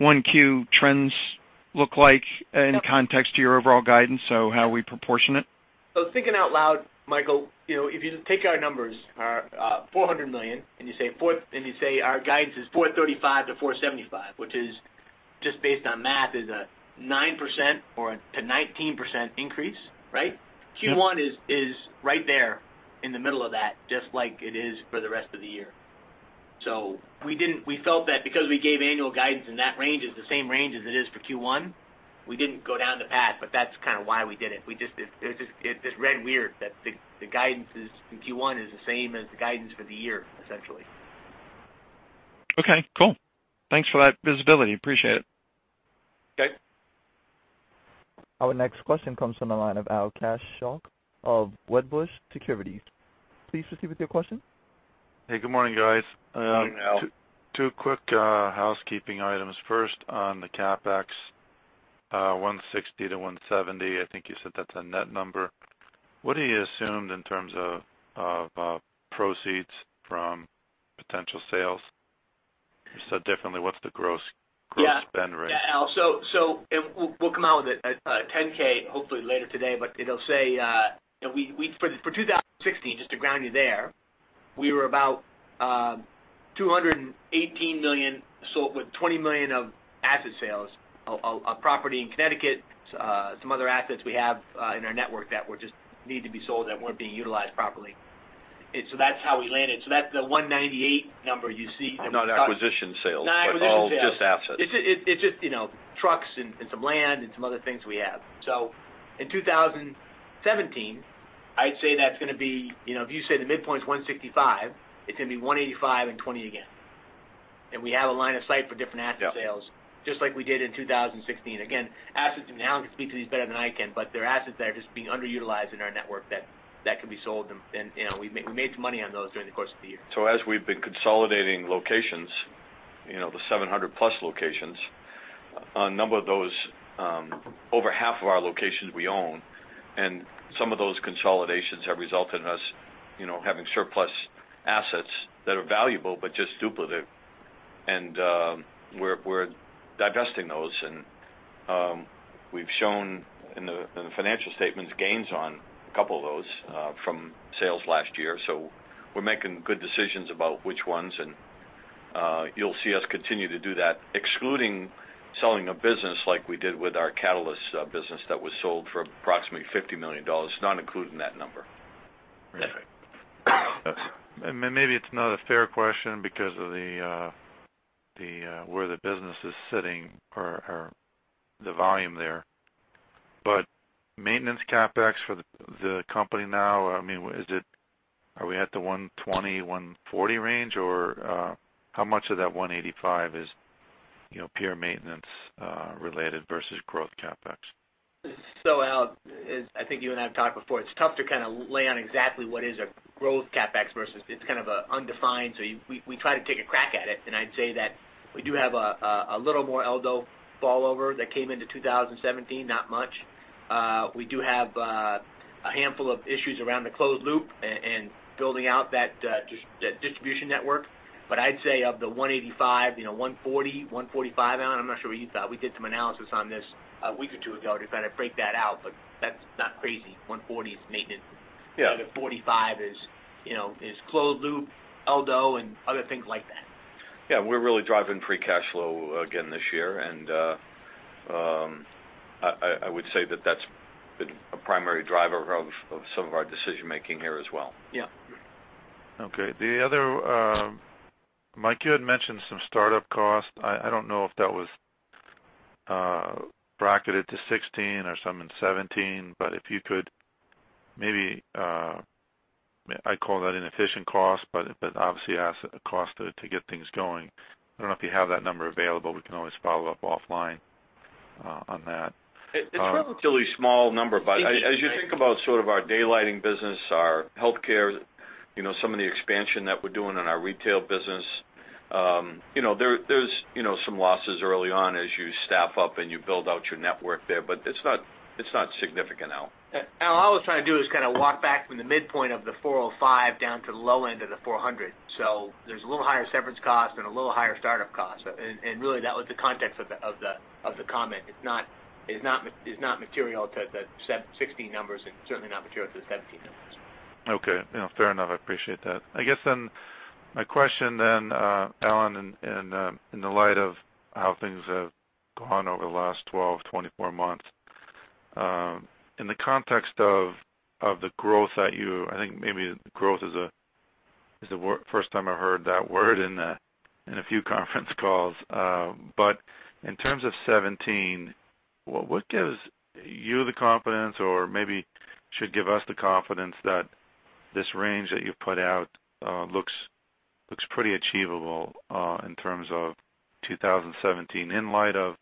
1Q trends look like in context to your overall guidance, so how we proportion it? So thinking out loud, Michael, if you take our numbers, $400 million, and you say our guidance is $435 million to $475 million, which is just based on math, is a 9% or a 19% increase, right? Q1 is right there in the middle of that, just like it is for the rest of the year. So we felt that because we gave annual guidance and that range is the same range as it is for Q1, we didn't go down the path, but that's kind of why we did it. It just read weird that the guidance in Q1 is the same as the guidance for the year, essentially. Okay. Cool. Thanks for that visibility. Appreciate it. Okay. Our next question comes from the line of Al Kaschalk of Wedbush Securities. Please proceed with your question. Hey, good morning, guys. Two quick housekeeping items. First, on the CapEx, 160-170, I think you said that's a net number. What do you assume in terms of proceeds from potential sales? You said differently. What's the gross spend rate? Yeah. So we'll come out with a 10-K, hopefully, later today, but it'll say for 2016, just to ground you there, we were about $218 million sold with $20 million of asset sales, a property in Connecticut, some other assets we have in our network that just need to be sold that weren't being utilized properly. So that's how we landed. So that's the $198 million number you see. No, not acquisition sales. Not acquisition sales. Oh, just assets. It's just trucks and some land and some other things we have. So in 2017, I'd say that's going to be if you say the midpoint's $165, it's going to be $185 and $20 again. And we have a line of sight for different asset sales, just like we did in 2016. Again, assets now, and you can speak to these better than I can, but there are assets that are just being underutilized in our network that can be sold, and we made some money on those during the course of the year. As we've been consolidating locations, the 700+ locations, a number of those, over half of our locations we own, and some of those consolidations have resulted in us having surplus assets that are valuable but just duplicate. We're divesting those, and we've shown in the financial statements gains on a couple of those from sales last year. We're making good decisions about which ones, and you'll see us continue to do that, excluding selling a business like we did with our Catalyst business that was sold for approximately $50 million, not including that number. Okay. Maybe it's not a fair question because of where the business is sitting or the volume there. But maintenance CAPEX for the company now, I mean, are we at the $120-$140 range, or how much of that $185 is pure maintenance-related versus growth CAPEX? So Al, I think you and I have talked before. It's tough to kind of lay out exactly what is a growth CapEx versus it's kind of undefined, so we try to take a crack at it. I'd say that we do have a little more Eldo rollover that came into 2017, not much. We do have a handful of issues around the Closed Loop and building out that distribution network. But I'd say of the $185, $140, $145, Alan, I'm not sure what you thought. We did some analysis on this a week or two ago to kind of break that out, but that's not crazy. $140 is maintenance. The $45 is Closed Loop, Eldo, and other things like that. Yeah. We're really driving free cash flow again this year, and I would say that that's been a primary driver of some of our decision-making here as well. Yeah. Okay. Mike, you had mentioned some startup cost. I don't know if that was bracketed to 2016 or something in 2017, but if you could, maybe I call that inefficient cost, but obviously a cost to get things going. I don't know if you have that number available. We can always follow up offline on that. It's a relatively small number, but as you think about sort of our daylighting business, our healthcare, some of the expansion that we're doing in our retail business, there's some losses early on as you staff up and you build out your network there, but it's not significant now. Al, all I was trying to do is kind of walk back from the midpoint of the $405 down to the low end of the $400. So there's a little higher severance cost and a little higher startup cost. And really, that was the context of the comment. It's not material to the 2016 numbers and certainly not material to the 2017 numbers. Okay. Fair enough. I appreciate that. I guess then my question then, Alan, in the light of how things have gone over the last 12, 24 months, in the context of the growth that you I think maybe growth is the first time I've heard that word in a few conference calls. But in terms of 2017, what gives you the confidence or maybe should give us the confidence that this range that you've put out looks pretty achievable in terms of 2017 in light of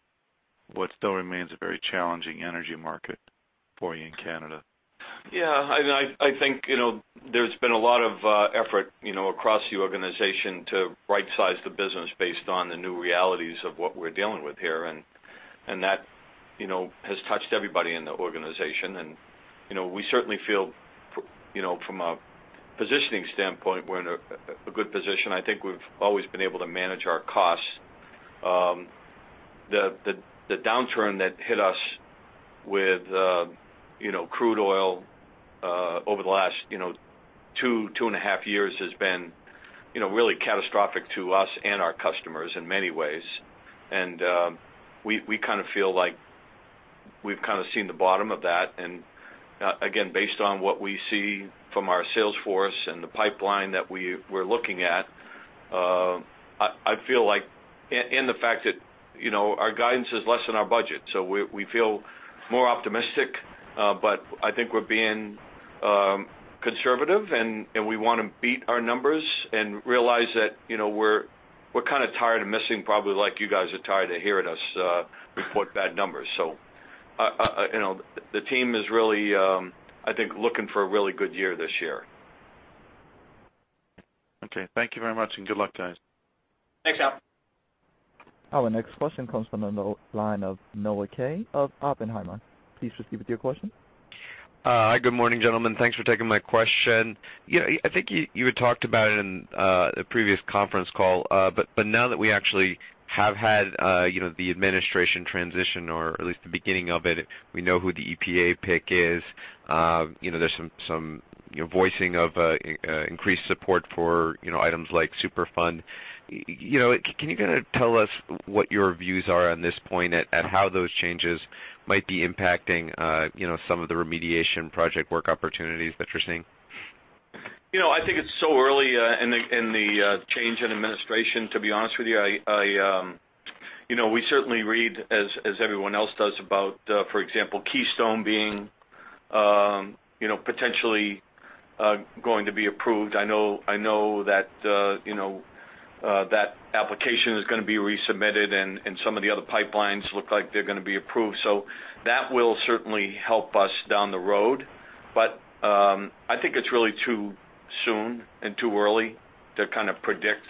what still remains a very challenging energy market for you in Canada? Yeah. I think there's been a lot of effort across the organization to right-size the business based on the new realities of what we're dealing with here, and that has touched everybody in the organization. We certainly feel from a positioning standpoint, we're in a good position. I think we've always been able to manage our costs. The downturn that hit us with crude oil over the last 2, 2.5 years has been really catastrophic to us and our customers in many ways. We kind of feel like we've kind of seen the bottom of that. Again, based on what we see from our salesforce and the pipeline that we're looking at, I feel like and the fact that our guidance is less than our budget. So we feel more optimistic, but I think we're being conservative, and we want to beat our numbers and realize that we're kind of tired of missing, probably like you guys are tired of hearing us report bad numbers. So the team is really, I think, looking for a really good year this year. Okay. Thank you very much and good luck, guys. Thanks, Al. Al, the next question comes from the line of Noah Kaye of Oppenheimer. Please proceed with your question. Hi. Good morning, gentlemen. Thanks for taking my question. I think you had talked about it in the previous conference call, but now that we actually have had the administration transition, or at least the beginning of it, we know who the EPA pick is. There's some voicing of increased support for items like Superfund. Can you kind of tell us what your views are on this point and how those changes might be impacting some of the remediation project work opportunities that you're seeing? I think it's so early in the change in administration, to be honest with you. We certainly read, as everyone else does, about, for example, Keystone being potentially going to be approved. I know that that application is going to be resubmitted, and some of the other pipelines look like they're going to be approved. So that will certainly help us down the road, but I think it's really too soon and too early to kind of predict.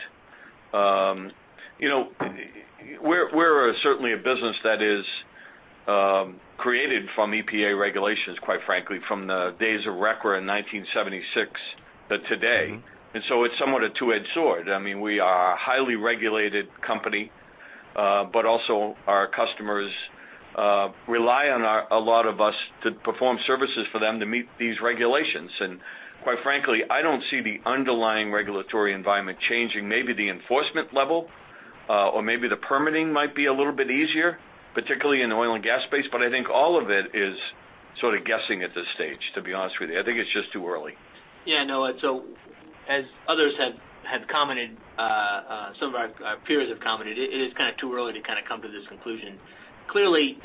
We're certainly a business that is created from EPA regulations, quite frankly, from the days of RCRA in 1976 to today. And so it's somewhat a two-edged sword. I mean, we are a highly regulated company, but also our customers rely on a lot of us to perform services for them to meet these regulations. And quite frankly, I don't see the underlying regulatory environment changing. Maybe the enforcement level or maybe the permitting might be a little bit easier, particularly in the oil and gas space, but I think all of it is sort of guessing at this stage, to be honest with you. I think it's just too early. Yeah. No, so as others have commented, some of our peers have commented, it is kind of too early to kind of come to this conclusion. Clearly,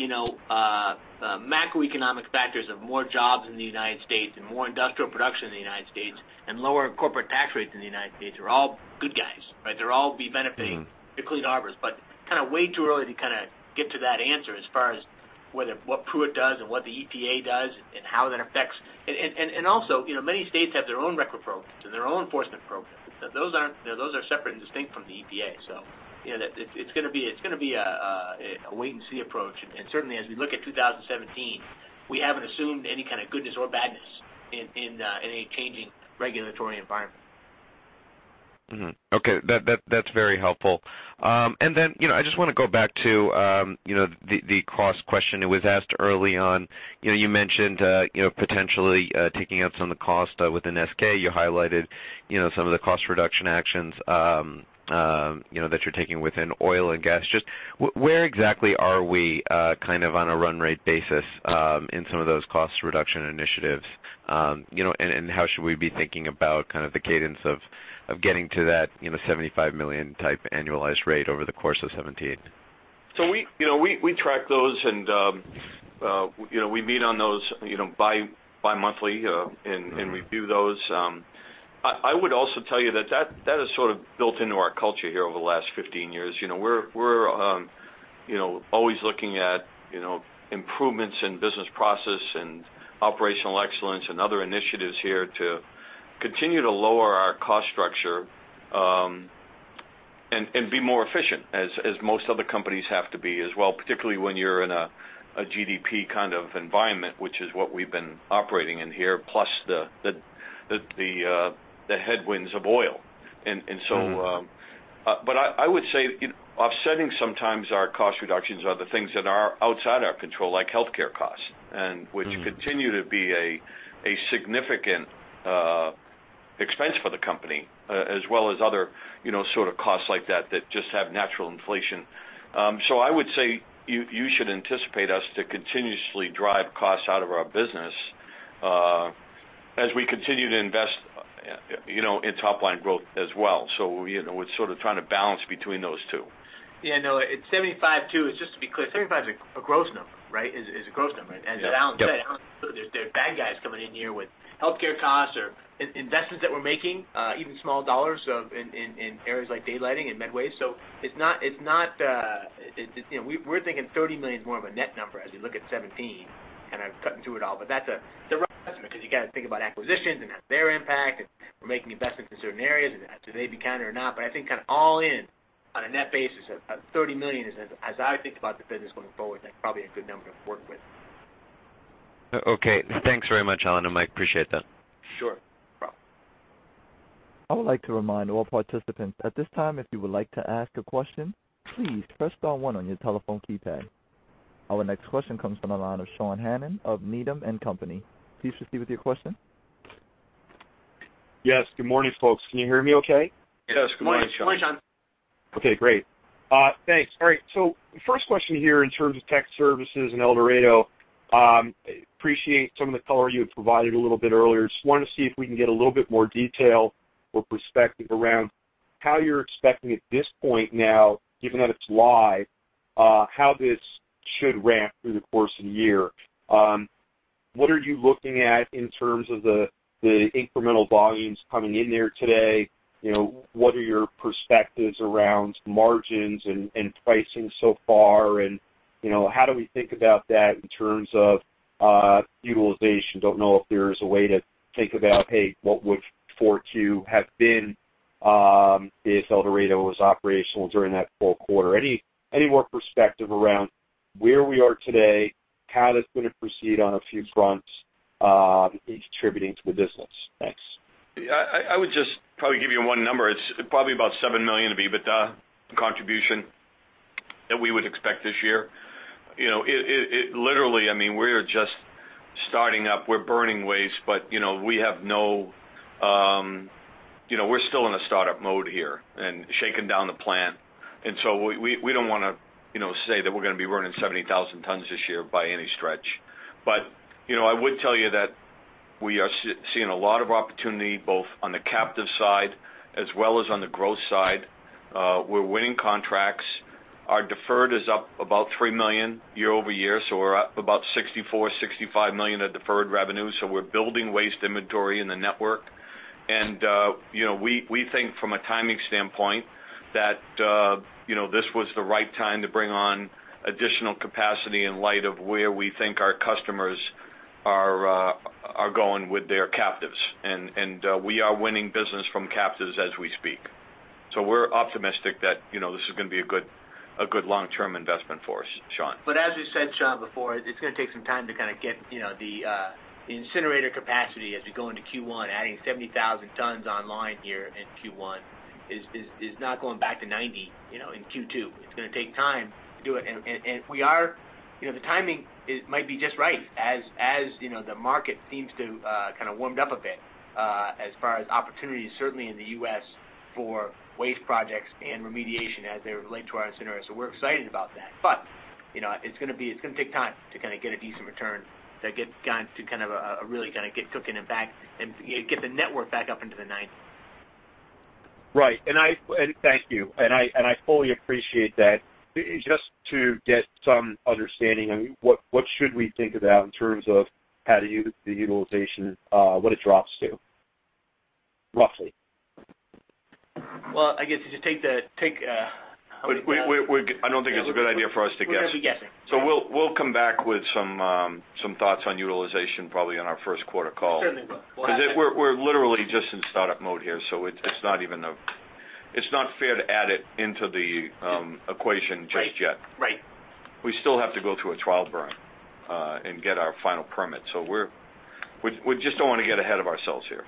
macroeconomic factors of more jobs in the United States and more industrial production in the United States and lower corporate tax rates in the United States are all good guys, right? They're all benefiting, including Harbors. But kind of way too early to kind of get to that answer as far as what Pruitt does and what the EPA does and how that affects. And also, many states have their own RCRA programs and their own enforcement programs. Those are separate and distinct from the EPA. So it's going to be a wait-and-see approach. And certainly, as we look at 2017, we haven't assumed any kind of goodness or badness in a changing regulatory environment. Okay. That's very helpful. And then I just want to go back to the cost question that was asked early on. You mentioned potentially taking out some of the cost within SK. You highlighted some of the cost reduction actions that you're taking within oil and gas. Just where exactly are we kind of on a run rate basis in some of those cost reduction initiatives, and how should we be thinking about kind of the cadence of getting to that $75 million type annualized rate over the course of 2017? So we track those, and we meet on those bi-monthly and review those. I would also tell you that that is sort of built into our culture here over the last 15 years. We're always looking at improvements in business process and operational excellence and other initiatives here to continue to lower our cost structure and be more efficient, as most other companies have to be as well, particularly when you're in a GDP kind of environment, which is what we've been operating in here, plus the headwinds of oil. And so, but I would say offsetting sometimes our cost reductions are the things that are outside our control, like healthcare costs, which continue to be a significant expense for the company, as well as other sort of costs like that that just have natural inflation. I would say you should anticipate us to continuously drive costs out of our business as we continue to invest in top-line growth as well. It's sort of trying to balance between those two. Yeah. No, it's 75 too. Just to be clear, 75 is a gross number, right? It is a gross number. And as Alan said, there's bad guys coming in here with healthcare costs or investments that we're making, even small dollars in areas like daylighting and Medway. So it's not we're thinking $30 million is more of a net number as you look at 2017, kind of cutting through it all. But that's a rough estimate because you got to think about acquisitions and their impact, and we're making investments in certain areas, and do they become or not. But I think kind of all in on a net basis, $30 million, as I think about the business going forward, that's probably a good number to work with. Okay. Thanks very much, Alan and Mike. Appreciate that. Sure. No problem. I would like to remind all participants at this time, if you would like to ask a question, please press star one on your telephone keypad. Our next question comes from the line of Sean Hannan of Needham & Company. Please proceed with your question. Yes. Good morning, folks. Can you hear me okay? Yes. Good morning, Sean. Morning, Sean. Okay. Great. Thanks. All right. So first question here in terms of tech services and El Dorado. Appreciate some of the color you had provided a little bit earlier. Just wanted to see if we can get a little bit more detail or perspective around how you're expecting at this point now, given that it's live, how this should ramp through the course of the year. What are you looking at in terms of the incremental volumes coming in there today? What are your perspectives around margins and pricing so far? And how do we think about that in terms of utilization? Don't know if there is a way to think about, "Hey, what would throughput have been if El Dorado was operational during that full quarter?" Any more perspective around where we are today, how that's going to proceed on a few fronts, and contributing to the business? Thanks. I would just probably give you one number. It's probably about $7 million to be the contribution that we would expect this year. Literally, I mean, we're just starting up. We're burning waste, but we're still in a startup mode here and shaking down the plant. And so we don't want to say that we're going to be burning 70,000 tons this year by any stretch. But I would tell you that we are seeing a lot of opportunity, both on the captive side as well as on the growth side. We're winning contracts. Our deferred is up about $3 million year-over-year. So we're up about $64 to $65 million of deferred revenue. So we're building waste inventory in the network. We think from a timing standpoint that this was the right time to bring on additional capacity in light of where we think our customers are going with their captives. We are winning business from captives as we speak. We're optimistic that this is going to be a good long-term investment for us, Sean. But as we said, Sean, before, it's going to take some time to kind of get the incinerator capacity as we go into Q1. Adding 70,000 tons online here in Q1 is not going back to 90 in Q2. It's going to take time to do it. And we are the timing might be just right as the market seems to kind of warmed up a bit as far as opportunities, certainly in the U.S. for waste projects and remediation as they relate to our incinerator. So we're excited about that. But it's going to be it's going to take time to kind of get a decent return to get guys to kind of really kind of get cooking and get the network back up into the 90. Right. Thank you. I fully appreciate that. Just to get some understanding of what should we think about in terms of how to use the utilization, what it drops to, roughly? Well, I guess you just take the. I don't think it's a good idea for us to guess. We'll be guessing. We'll come back with some thoughts on utilization probably on our first quarter call. Certainly will. Because we're literally just in startup mode here, so it's not even it's not fair to add it into the equation just yet. Right. Right. We still have to go through a trial burn and get our final permit. So we just don't want to get ahead of ourselves here.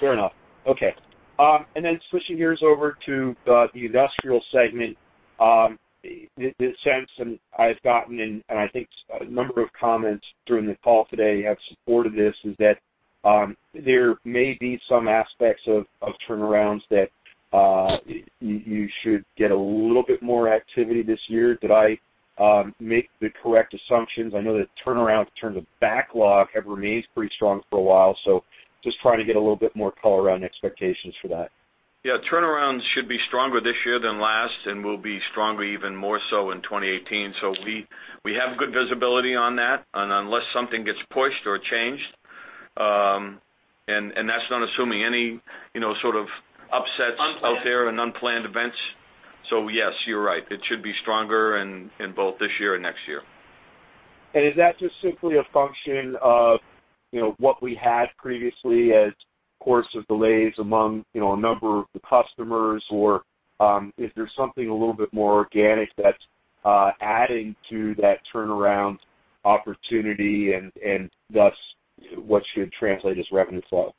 Fair enough. Okay. And then switching gears over to the industrial segment, the sense I've gotten, and I think a number of comments during the call today have supported this, is that there may be some aspects of turnarounds that you should get a little bit more activity this year. Did I make the correct assumptions? I know that turnaround in terms of backlog have remained pretty strong for a while, so just trying to get a little bit more color on expectations for that. Yeah. Turnaround should be stronger this year than last, and will be stronger even more so in 2018. So we have good visibility on that unless something gets pushed or changed. And that's not assuming any sort of upsets out there and unplanned events. So yes, you're right. It should be stronger in both this year and next year. Is that just simply a function of what we had previously as course of delays among a number of the customers, or is there something a little bit more organic that's adding to that turnaround opportunity and thus what should translate as revenue flow?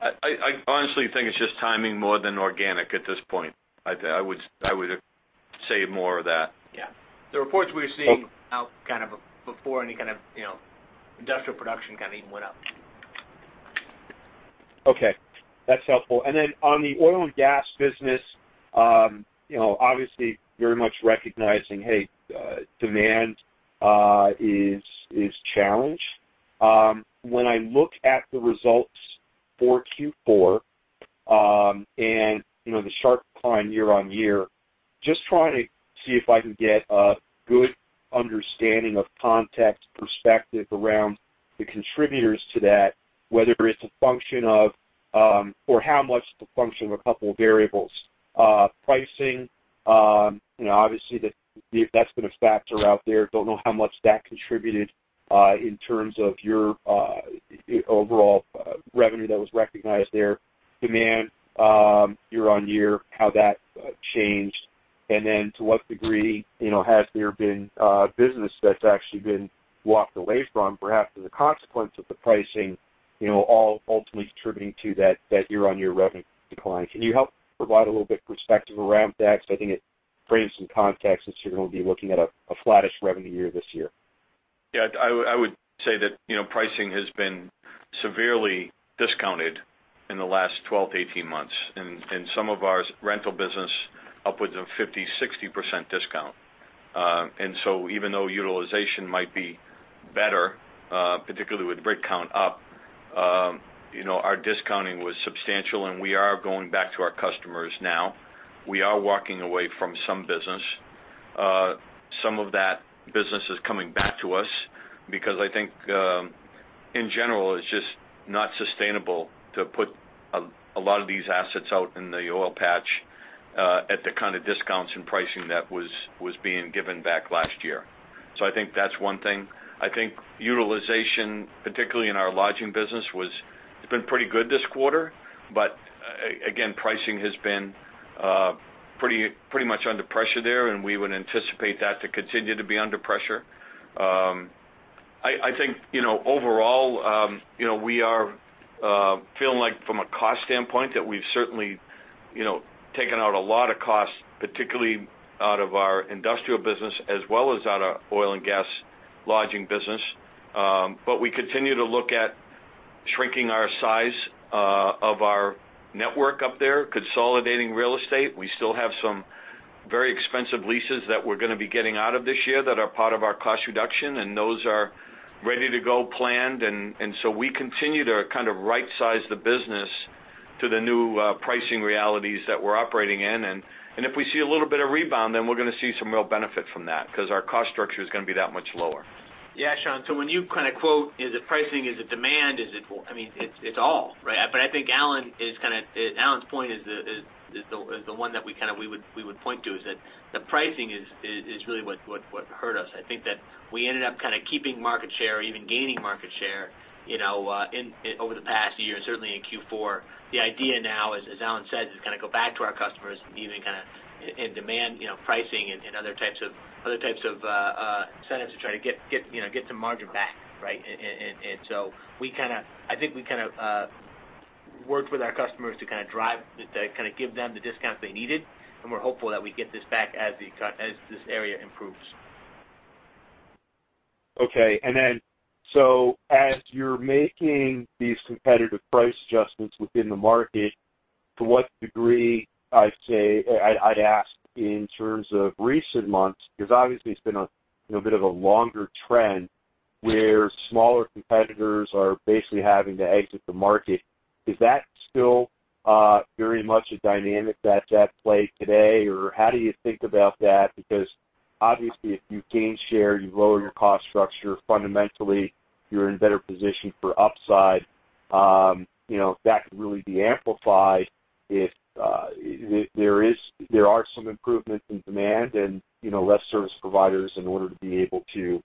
I honestly think it's just timing more than organic at this point. I would say more of that. Yeah. The reports we're seeing now kind of before any kind of industrial production kind of even went up. Okay. That's helpful. And then on the oil and gas business, obviously very much recognizing, hey, demand is challenged. When I look at the results for Q4 and the sharp climb year-on-year, just trying to see if I can get a good understanding of context, perspective around the contributors to that, whether it's a function of or how much it's a function of a couple of variables. Pricing, obviously, that's been a factor out there. Don't know how much that contributed in terms of your overall revenue that was recognized there. Demand year-on-year, how that changed. And then to what degree has there been business that's actually been walked away from, perhaps as a consequence of the pricing, ultimately contributing to that year-on-year revenue decline? Can you help provide a little bit of perspective around that? Because I think it frames some context since you're going to be looking at a flattish revenue year this year. Yeah. I would say that pricing has been severely discounted in the last 12-18 months, and some of our rental business upwards of 50%-60% discount. And so even though utilization might be better, particularly with rig count up, our discounting was substantial, and we are going back to our customers now. We are walking away from some business. Some of that business is coming back to us because I think, in general, it's just not sustainable to put a lot of these assets out in the oil patch at the kind of discounts and pricing that was being given back last year. So I think that's one thing. I think utilization, particularly in our lodging business, has been pretty good this quarter. But again, pricing has been pretty much under pressure there, and we would anticipate that to continue to be under pressure. I think overall, we are feeling like from a cost standpoint that we've certainly taken out a lot of costs, particularly out of our industrial business as well as out of oil and gas lodging business. But we continue to look at shrinking our size of our network up there, consolidating real estate. We still have some very expensive leases that we're going to be getting out of this year that are part of our cost reduction, and those are ready to go, planned. And so we continue to kind of right-size the business to the new pricing realities that we're operating in. If we see a little bit of rebound, then we're going to see some real benefit from that because our cost structure is going to be that much lower. Yeah, Sean. So when you kind of quote, "Is it pricing? Is it demand? Is it?" I mean, it's all, right? But I think Alan is kind of Alan's point is the one that we kind of we would point to is that the pricing is really what hurt us. I think that we ended up kind of keeping market share or even gaining market share over the past year, certainly in Q4. The idea now, as Alan says, is kind of go back to our customers, even kind of in demand, pricing, and other types of incentives to try to get some margin back, right? And so we kind of I think we kind of worked with our customers to kind of drive to kind of give them the discounts they needed. And we're hopeful that we get this back as this area improves. Okay. And then so as you're making these competitive price adjustments within the market, to what degree I'd say I'd ask in terms of recent months, because obviously it's been a bit of a longer trend where smaller competitors are basically having to exit the market. Is that still very much a dynamic that's at play today? Or how do you think about that? Because obviously, if you gain share, you lower your cost structure, fundamentally, you're in a better position for upside. That could really be amplified if there are some improvements in demand and less service providers in order to be able to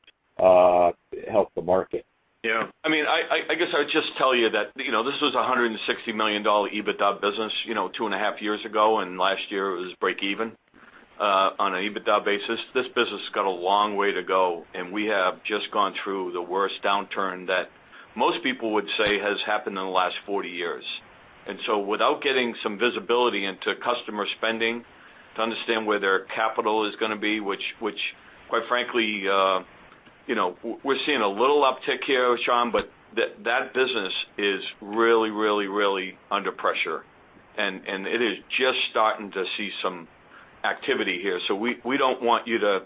help the market. Yeah. I mean, I guess I would just tell you that this was a $160 million EBITDA business 2.5 years ago, and last year it was break-even on an EBITDA basis. This business has got a long way to go, and we have just gone through the worst downturn that most people would say has happened in the last 40 years. And so without getting some visibility into customer spending to understand where their capital is going to be, which, quite frankly, we're seeing a little uptick here, Sean, but that business is really, really, really under pressure. And it is just starting to see some activity here. So we don't want you to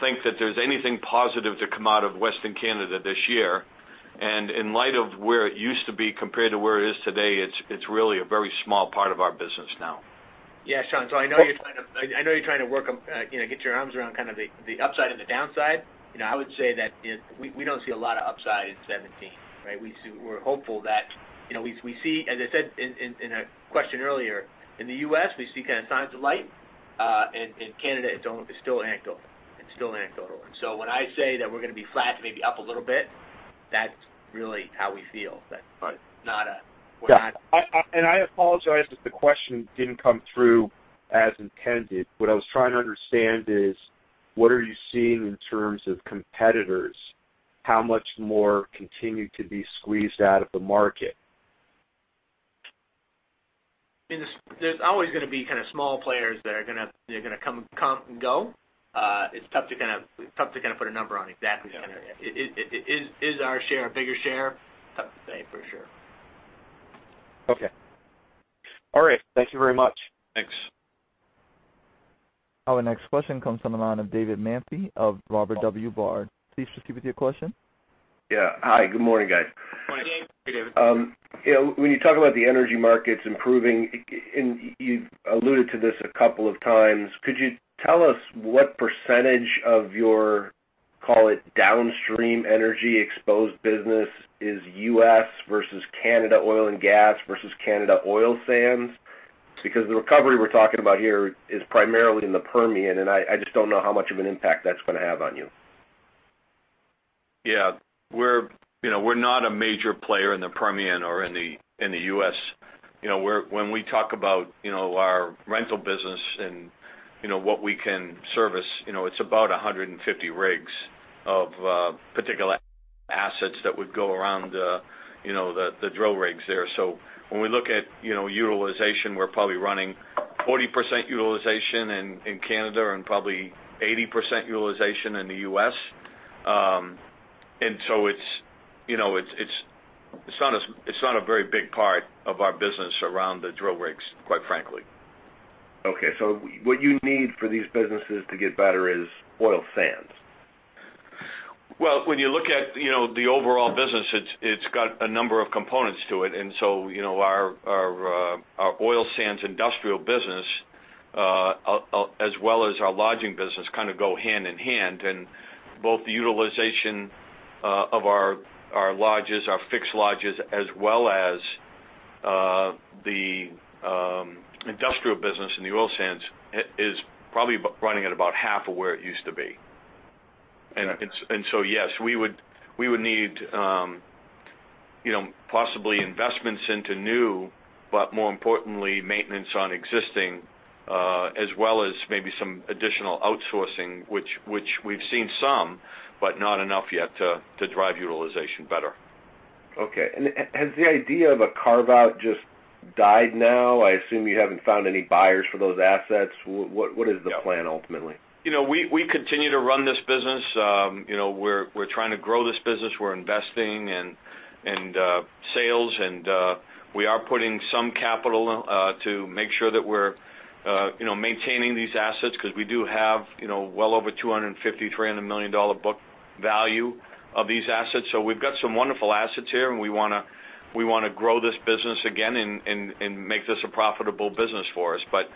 think that there's anything positive to come out of Western Canada this year. And in light of where it used to be compared to where it is today, it's really a very small part of our business now. Yeah, Sean. So I know you're trying to get your arms around kind of the upside and the downside. I would say that we don't see a lot of upside in 2017, right? We're hopeful that we see, as I said in a question earlier, in the U.S., we see kind of signs of light. In Canada, it's still anecdotal. It's still anecdotal. And so when I say that we're going to be flat to maybe up a little bit, that's really how we feel. But we're not. I apologize if the question didn't come through as intended. What I was trying to understand is what are you seeing in terms of competitors? How much more continue to be squeezed out of the market? There's always going to be kind of small players that are going to come and go. It's tough to kind of put a number on exactly kind of is our share a bigger share? Tough to say for sure. Okay. All right. Thank you very much. Thanks. Our next question comes from David Manthey of Robert W. Baird. Please proceed with your question. Yeah. Hi. Good morning, guys. Morning, Dave. Hey, David. When you talk about the energy markets improving, and you've alluded to this a couple of times, could you tell us what percentage of your, call it, downstream energy exposed business is U.S. versus Canada oil and gas versus Canada oil sands? Because the recovery we're talking about here is primarily in the Permian, and I just don't know how much of an impact that's going to have on you? Yeah. We're not a major player in the Permian or in the U.S. When we talk about our rental business and what we can service, it's about 150 rigs of particular assets that would go around the drill rigs there. So when we look at utilization, we're probably running 40% utilization in Canada and probably 80% utilization in the U.S. And so it's not a very big part of our business around the drill rigs, quite frankly. Okay. So what you need for these businesses to get better is oil sands? Well, when you look at the overall business, it's got a number of components to it. And so our oil sands industrial business, as well as our lodging business, kind of go hand in hand. And both the utilization of our lodges, our fixed lodges, as well as the industrial business in the oil sands is probably running at about half of where it used to be. And so yes, we would need possibly investments into new, but more importantly, maintenance on existing, as well as maybe some additional outsourcing, which we've seen some, but not enough yet to drive utilization better. Okay. And has the idea of a carve-out just died now? I assume you haven't found any buyers for those assets. What is the plan ultimately? We continue to run this business. We're trying to grow this business. We're investing in sales, and we are putting some capital to make sure that we're maintaining these assets because we do have well over $250 to $300 million book value of these assets. So we've got some wonderful assets here, and we want to grow this business again and make this a profitable business for us. But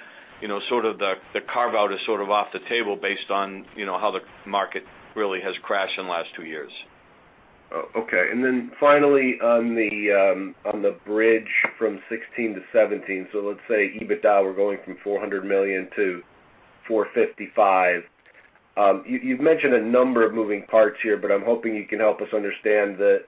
sort of the carve-out is sort of off the table based on how the market really has crashed in the last two years. Okay. And then finally, on the bridge from 2016 to 2017, so let's say EBITDA we're going from $400 million to $455 million. You've mentioned a number of moving parts here, but I'm hoping you can help us understand the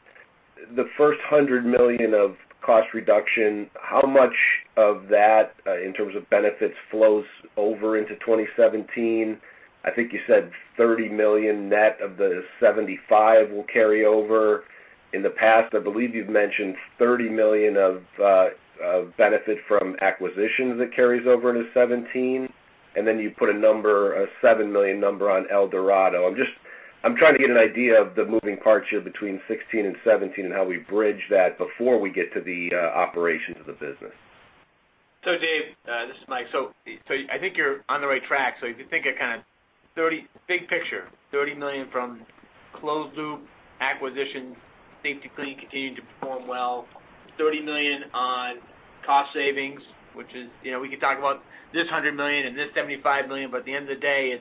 first $100 million of cost reduction. How much of that, in terms of benefits, flows over into 2017? I think you said $30 million net of the $75 million will carry over. In the past, I believe you've mentioned $30 million of benefit from acquisitions that carries over into 2017. And then you put a number, a $7 million number on El Dorado. I'm trying to get an idea of the moving parts here between 2016 and 2017 and how we bridge that before we get to the operations of the business. So Dave, this is Mike. So I think you're on the right track. So if you think of kind of big picture, $30 million from Closed Loop acquisitions, Safety-Kleen continuing to perform well, $30 million on cost savings, which is we could talk about this $100 million and this $75 million, but at the end of the day,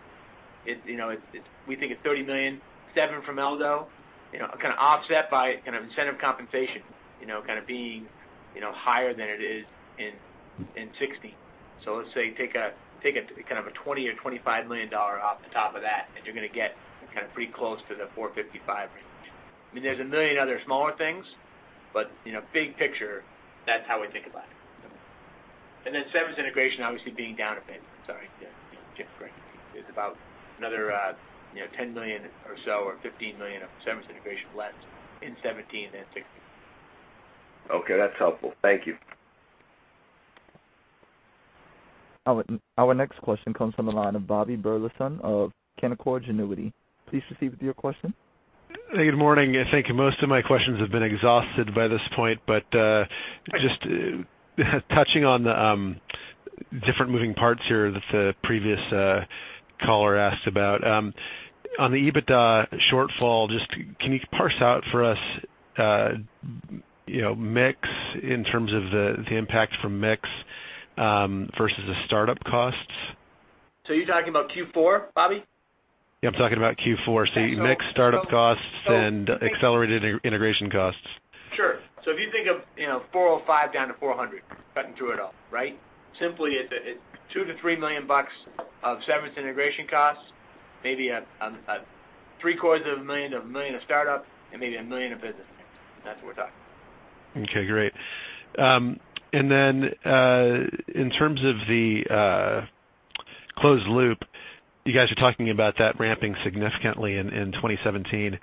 we think it's $30 million. $7 million from El Dorado, kind of offset by kind of incentive compensation kind of being higher than it is in 2016. So let's say take a kind of a $20 or $25 million off the top of that, and you're going to get kind of pretty close to the $455 range. I mean, there's a million other smaller things, but big picture, that's how we think about it. And then Safety-Kleen's integration, obviously, being down a bit. Sorry. There is about another $10 million or so, or $15 million of Safety-Kleen's integration left in 2017 and 2016. Okay. That's helpful. Thank you. Our next question comes from the line of Bobby Burleson of Canaccord Genuity. Please proceed with your question. Hey, good morning. Thank you. Most of my questions have been exhausted by this point, but just touching on the different moving parts here that the previous caller asked about. On the EBITDA shortfall, just can you parse out for us mix in terms of the impact from mix versus the startup costs? You're talking about Q4, Bobby? Yeah, I'm talking about Q4. So mix startup costs and accelerated integration costs. Sure. So if you think of $405 million down to $400 million, cutting through it all, right? Simply, it's $2 million to $3 million of Safety-Kleen's integration costs, maybe $750,000-$1 million of startup, and maybe $1 million of business. That's what we're talking about. Okay. Great. And then in terms of the Closed Loop, you guys are talking about that ramping significantly in 2017.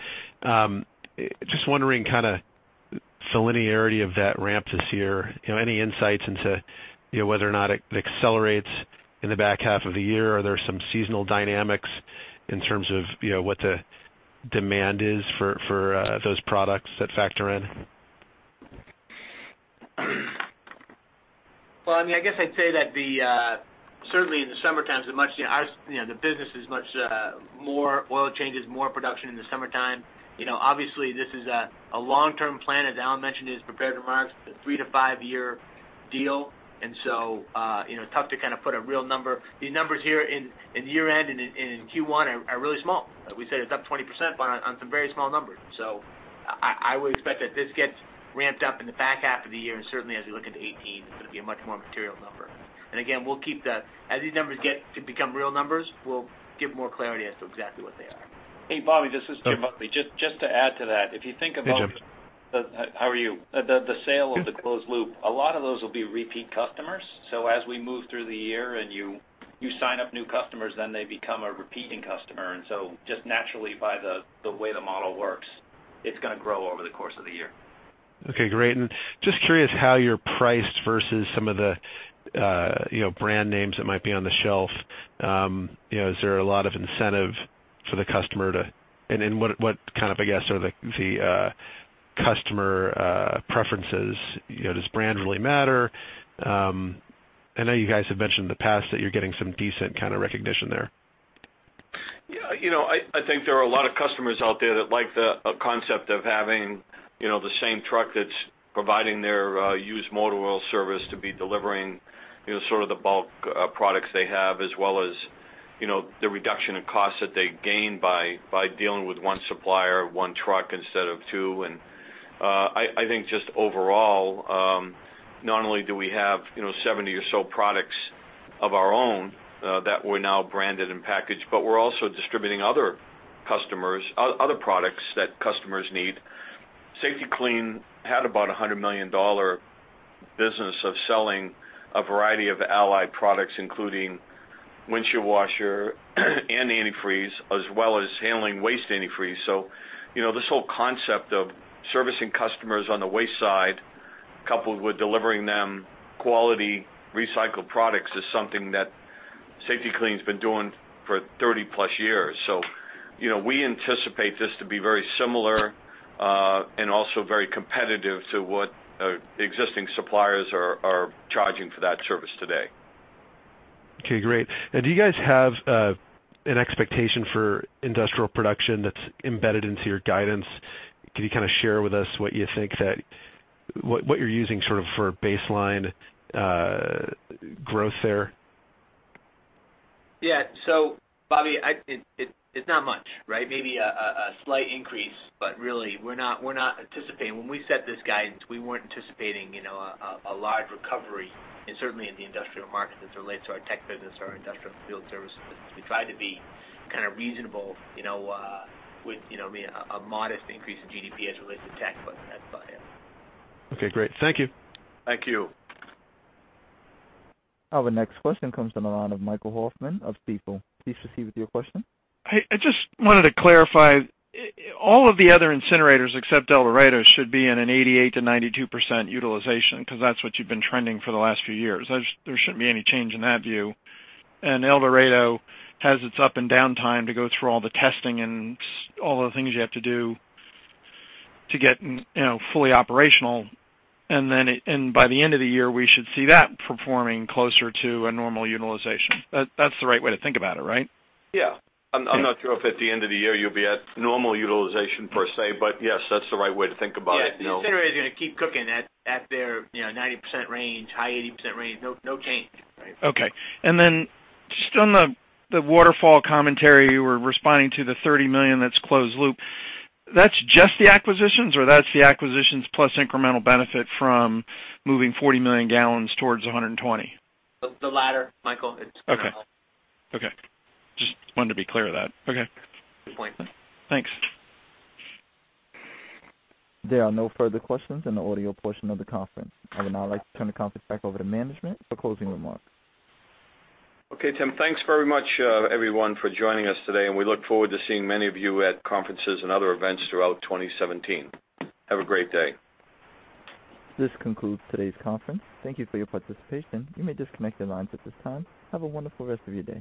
Just wondering kind of the linearity of that ramp this year. Any insights into whether or not it accelerates in the back half of the year? Are there some seasonal dynamics in terms of what the demand is for those products that factor in? Well, I mean, I guess I'd say that certainly in the summertime, the business is much more oil changes, more production in the summertime. Obviously, this is a long-term plan, as Alan mentioned, in prepared remarks, a 3- to 5-year deal. And so it's tough to kind of put a real number. These numbers here in year-end and in Q1 are really small. We said it's up 20%, but on some very small numbers. So I would expect that this gets ramped up in the back half of the year, and certainly as we look into 2018, it's going to be a much more material number. And again, we'll keep the as these numbers get to become real numbers, we'll give more clarity as to exactly what they are. Hey, Bobby, this is Jim Buckley. Just to add to that, if you think about. Hey, Jim. How are you? The sale of the Closed Loop, a lot of those will be repeat customers. So as we move through the year and you sign up new customers, then they become a repeating customer. And so just naturally, by the way the model works, it's going to grow over the course of the year. Okay. Great. And just curious how you're priced versus some of the brand names that might be on the shelf. Is there a lot of incentive for the customer to and what kind of, I guess, are the customer preferences? Does brand really matter? I know you guys have mentioned in the past that you're getting some decent kind of recognition there. Yeah. I think there are a lot of customers out there that like the concept of having the same truck that's providing their used motor oil service to be delivering sort of the bulk products they have, as well as the reduction in costs that they gain by dealing with one supplier, one truck instead of two. And I think just overall, not only do we have 70 or so products of our own that we're now branded and packaged, but we're also distributing other customers, other products that customers need. Safety-Kleen had about a $100 million business of selling a variety of allied products, including windshield washer and antifreeze, as well as handling waste antifreeze. So this whole concept of servicing customers on the waste side, coupled with delivering them quality recycled products, is something that Safety-Kleen has been doing for 30-plus years. We anticipate this to be very similar and also very competitive to what existing suppliers are charging for that service today. Okay. Great. Do you guys have an expectation for industrial production that's embedded into your guidance? Can you kind of share with us what you think you're using sort of for baseline growth there? Yeah. So Bobby, it's not much, right? Maybe a slight increase, but really, we're not anticipating. When we set this guidance, we weren't anticipating a large recovery, and certainly in the industrial market as it relates to our tech business or our industrial field services. We tried to be kind of reasonable with a modest increase in GDP as it relates to tech, but that's about it. Okay. Great. Thank you. Thank you. Our next question comes from the line of Michael Hoffman of Stifel. Please proceed with your question. I just wanted to clarify. All of the other incinerators except El Dorado should be in an 88% to 92% utilization because that's what you've been trending for the last few years. There shouldn't be any change in that view. And El Dorado has its up and down time to go through all the testing and all the things you have to do to get fully operational. And by the end of the year, we should see that performing closer to a normal utilization. That's the right way to think about it, right? Yeah. I'm not sure if at the end of the year you'll be at normal utilization per se, but yes, that's the right way to think about it. Yeah. The incinerators are going to keep cooking at their 90% range, high 80% range. No change. Okay. And then just on the waterfall commentary, you were responding to the $30 million that's Closed Loop. That's just the acquisitions, or that's the acquisitions plus incremental benefit from moving 40 million gallons towards 120? The latter, Michael. Okay. Okay. Just wanted to be clear of that. Okay. Good point. Thanks. There are no further questions in the audio portion of the conference. I would now like to turn the conference back over to management for closing remarks. Okay, Tim. Thanks very much, everyone, for joining us today, and we look forward to seeing many of you at conferences and other events throughout 2017. Have a great day. This concludes today's conference. Thank you for your participation. You may disconnect your lines at this time. Have a wonderful rest of your day.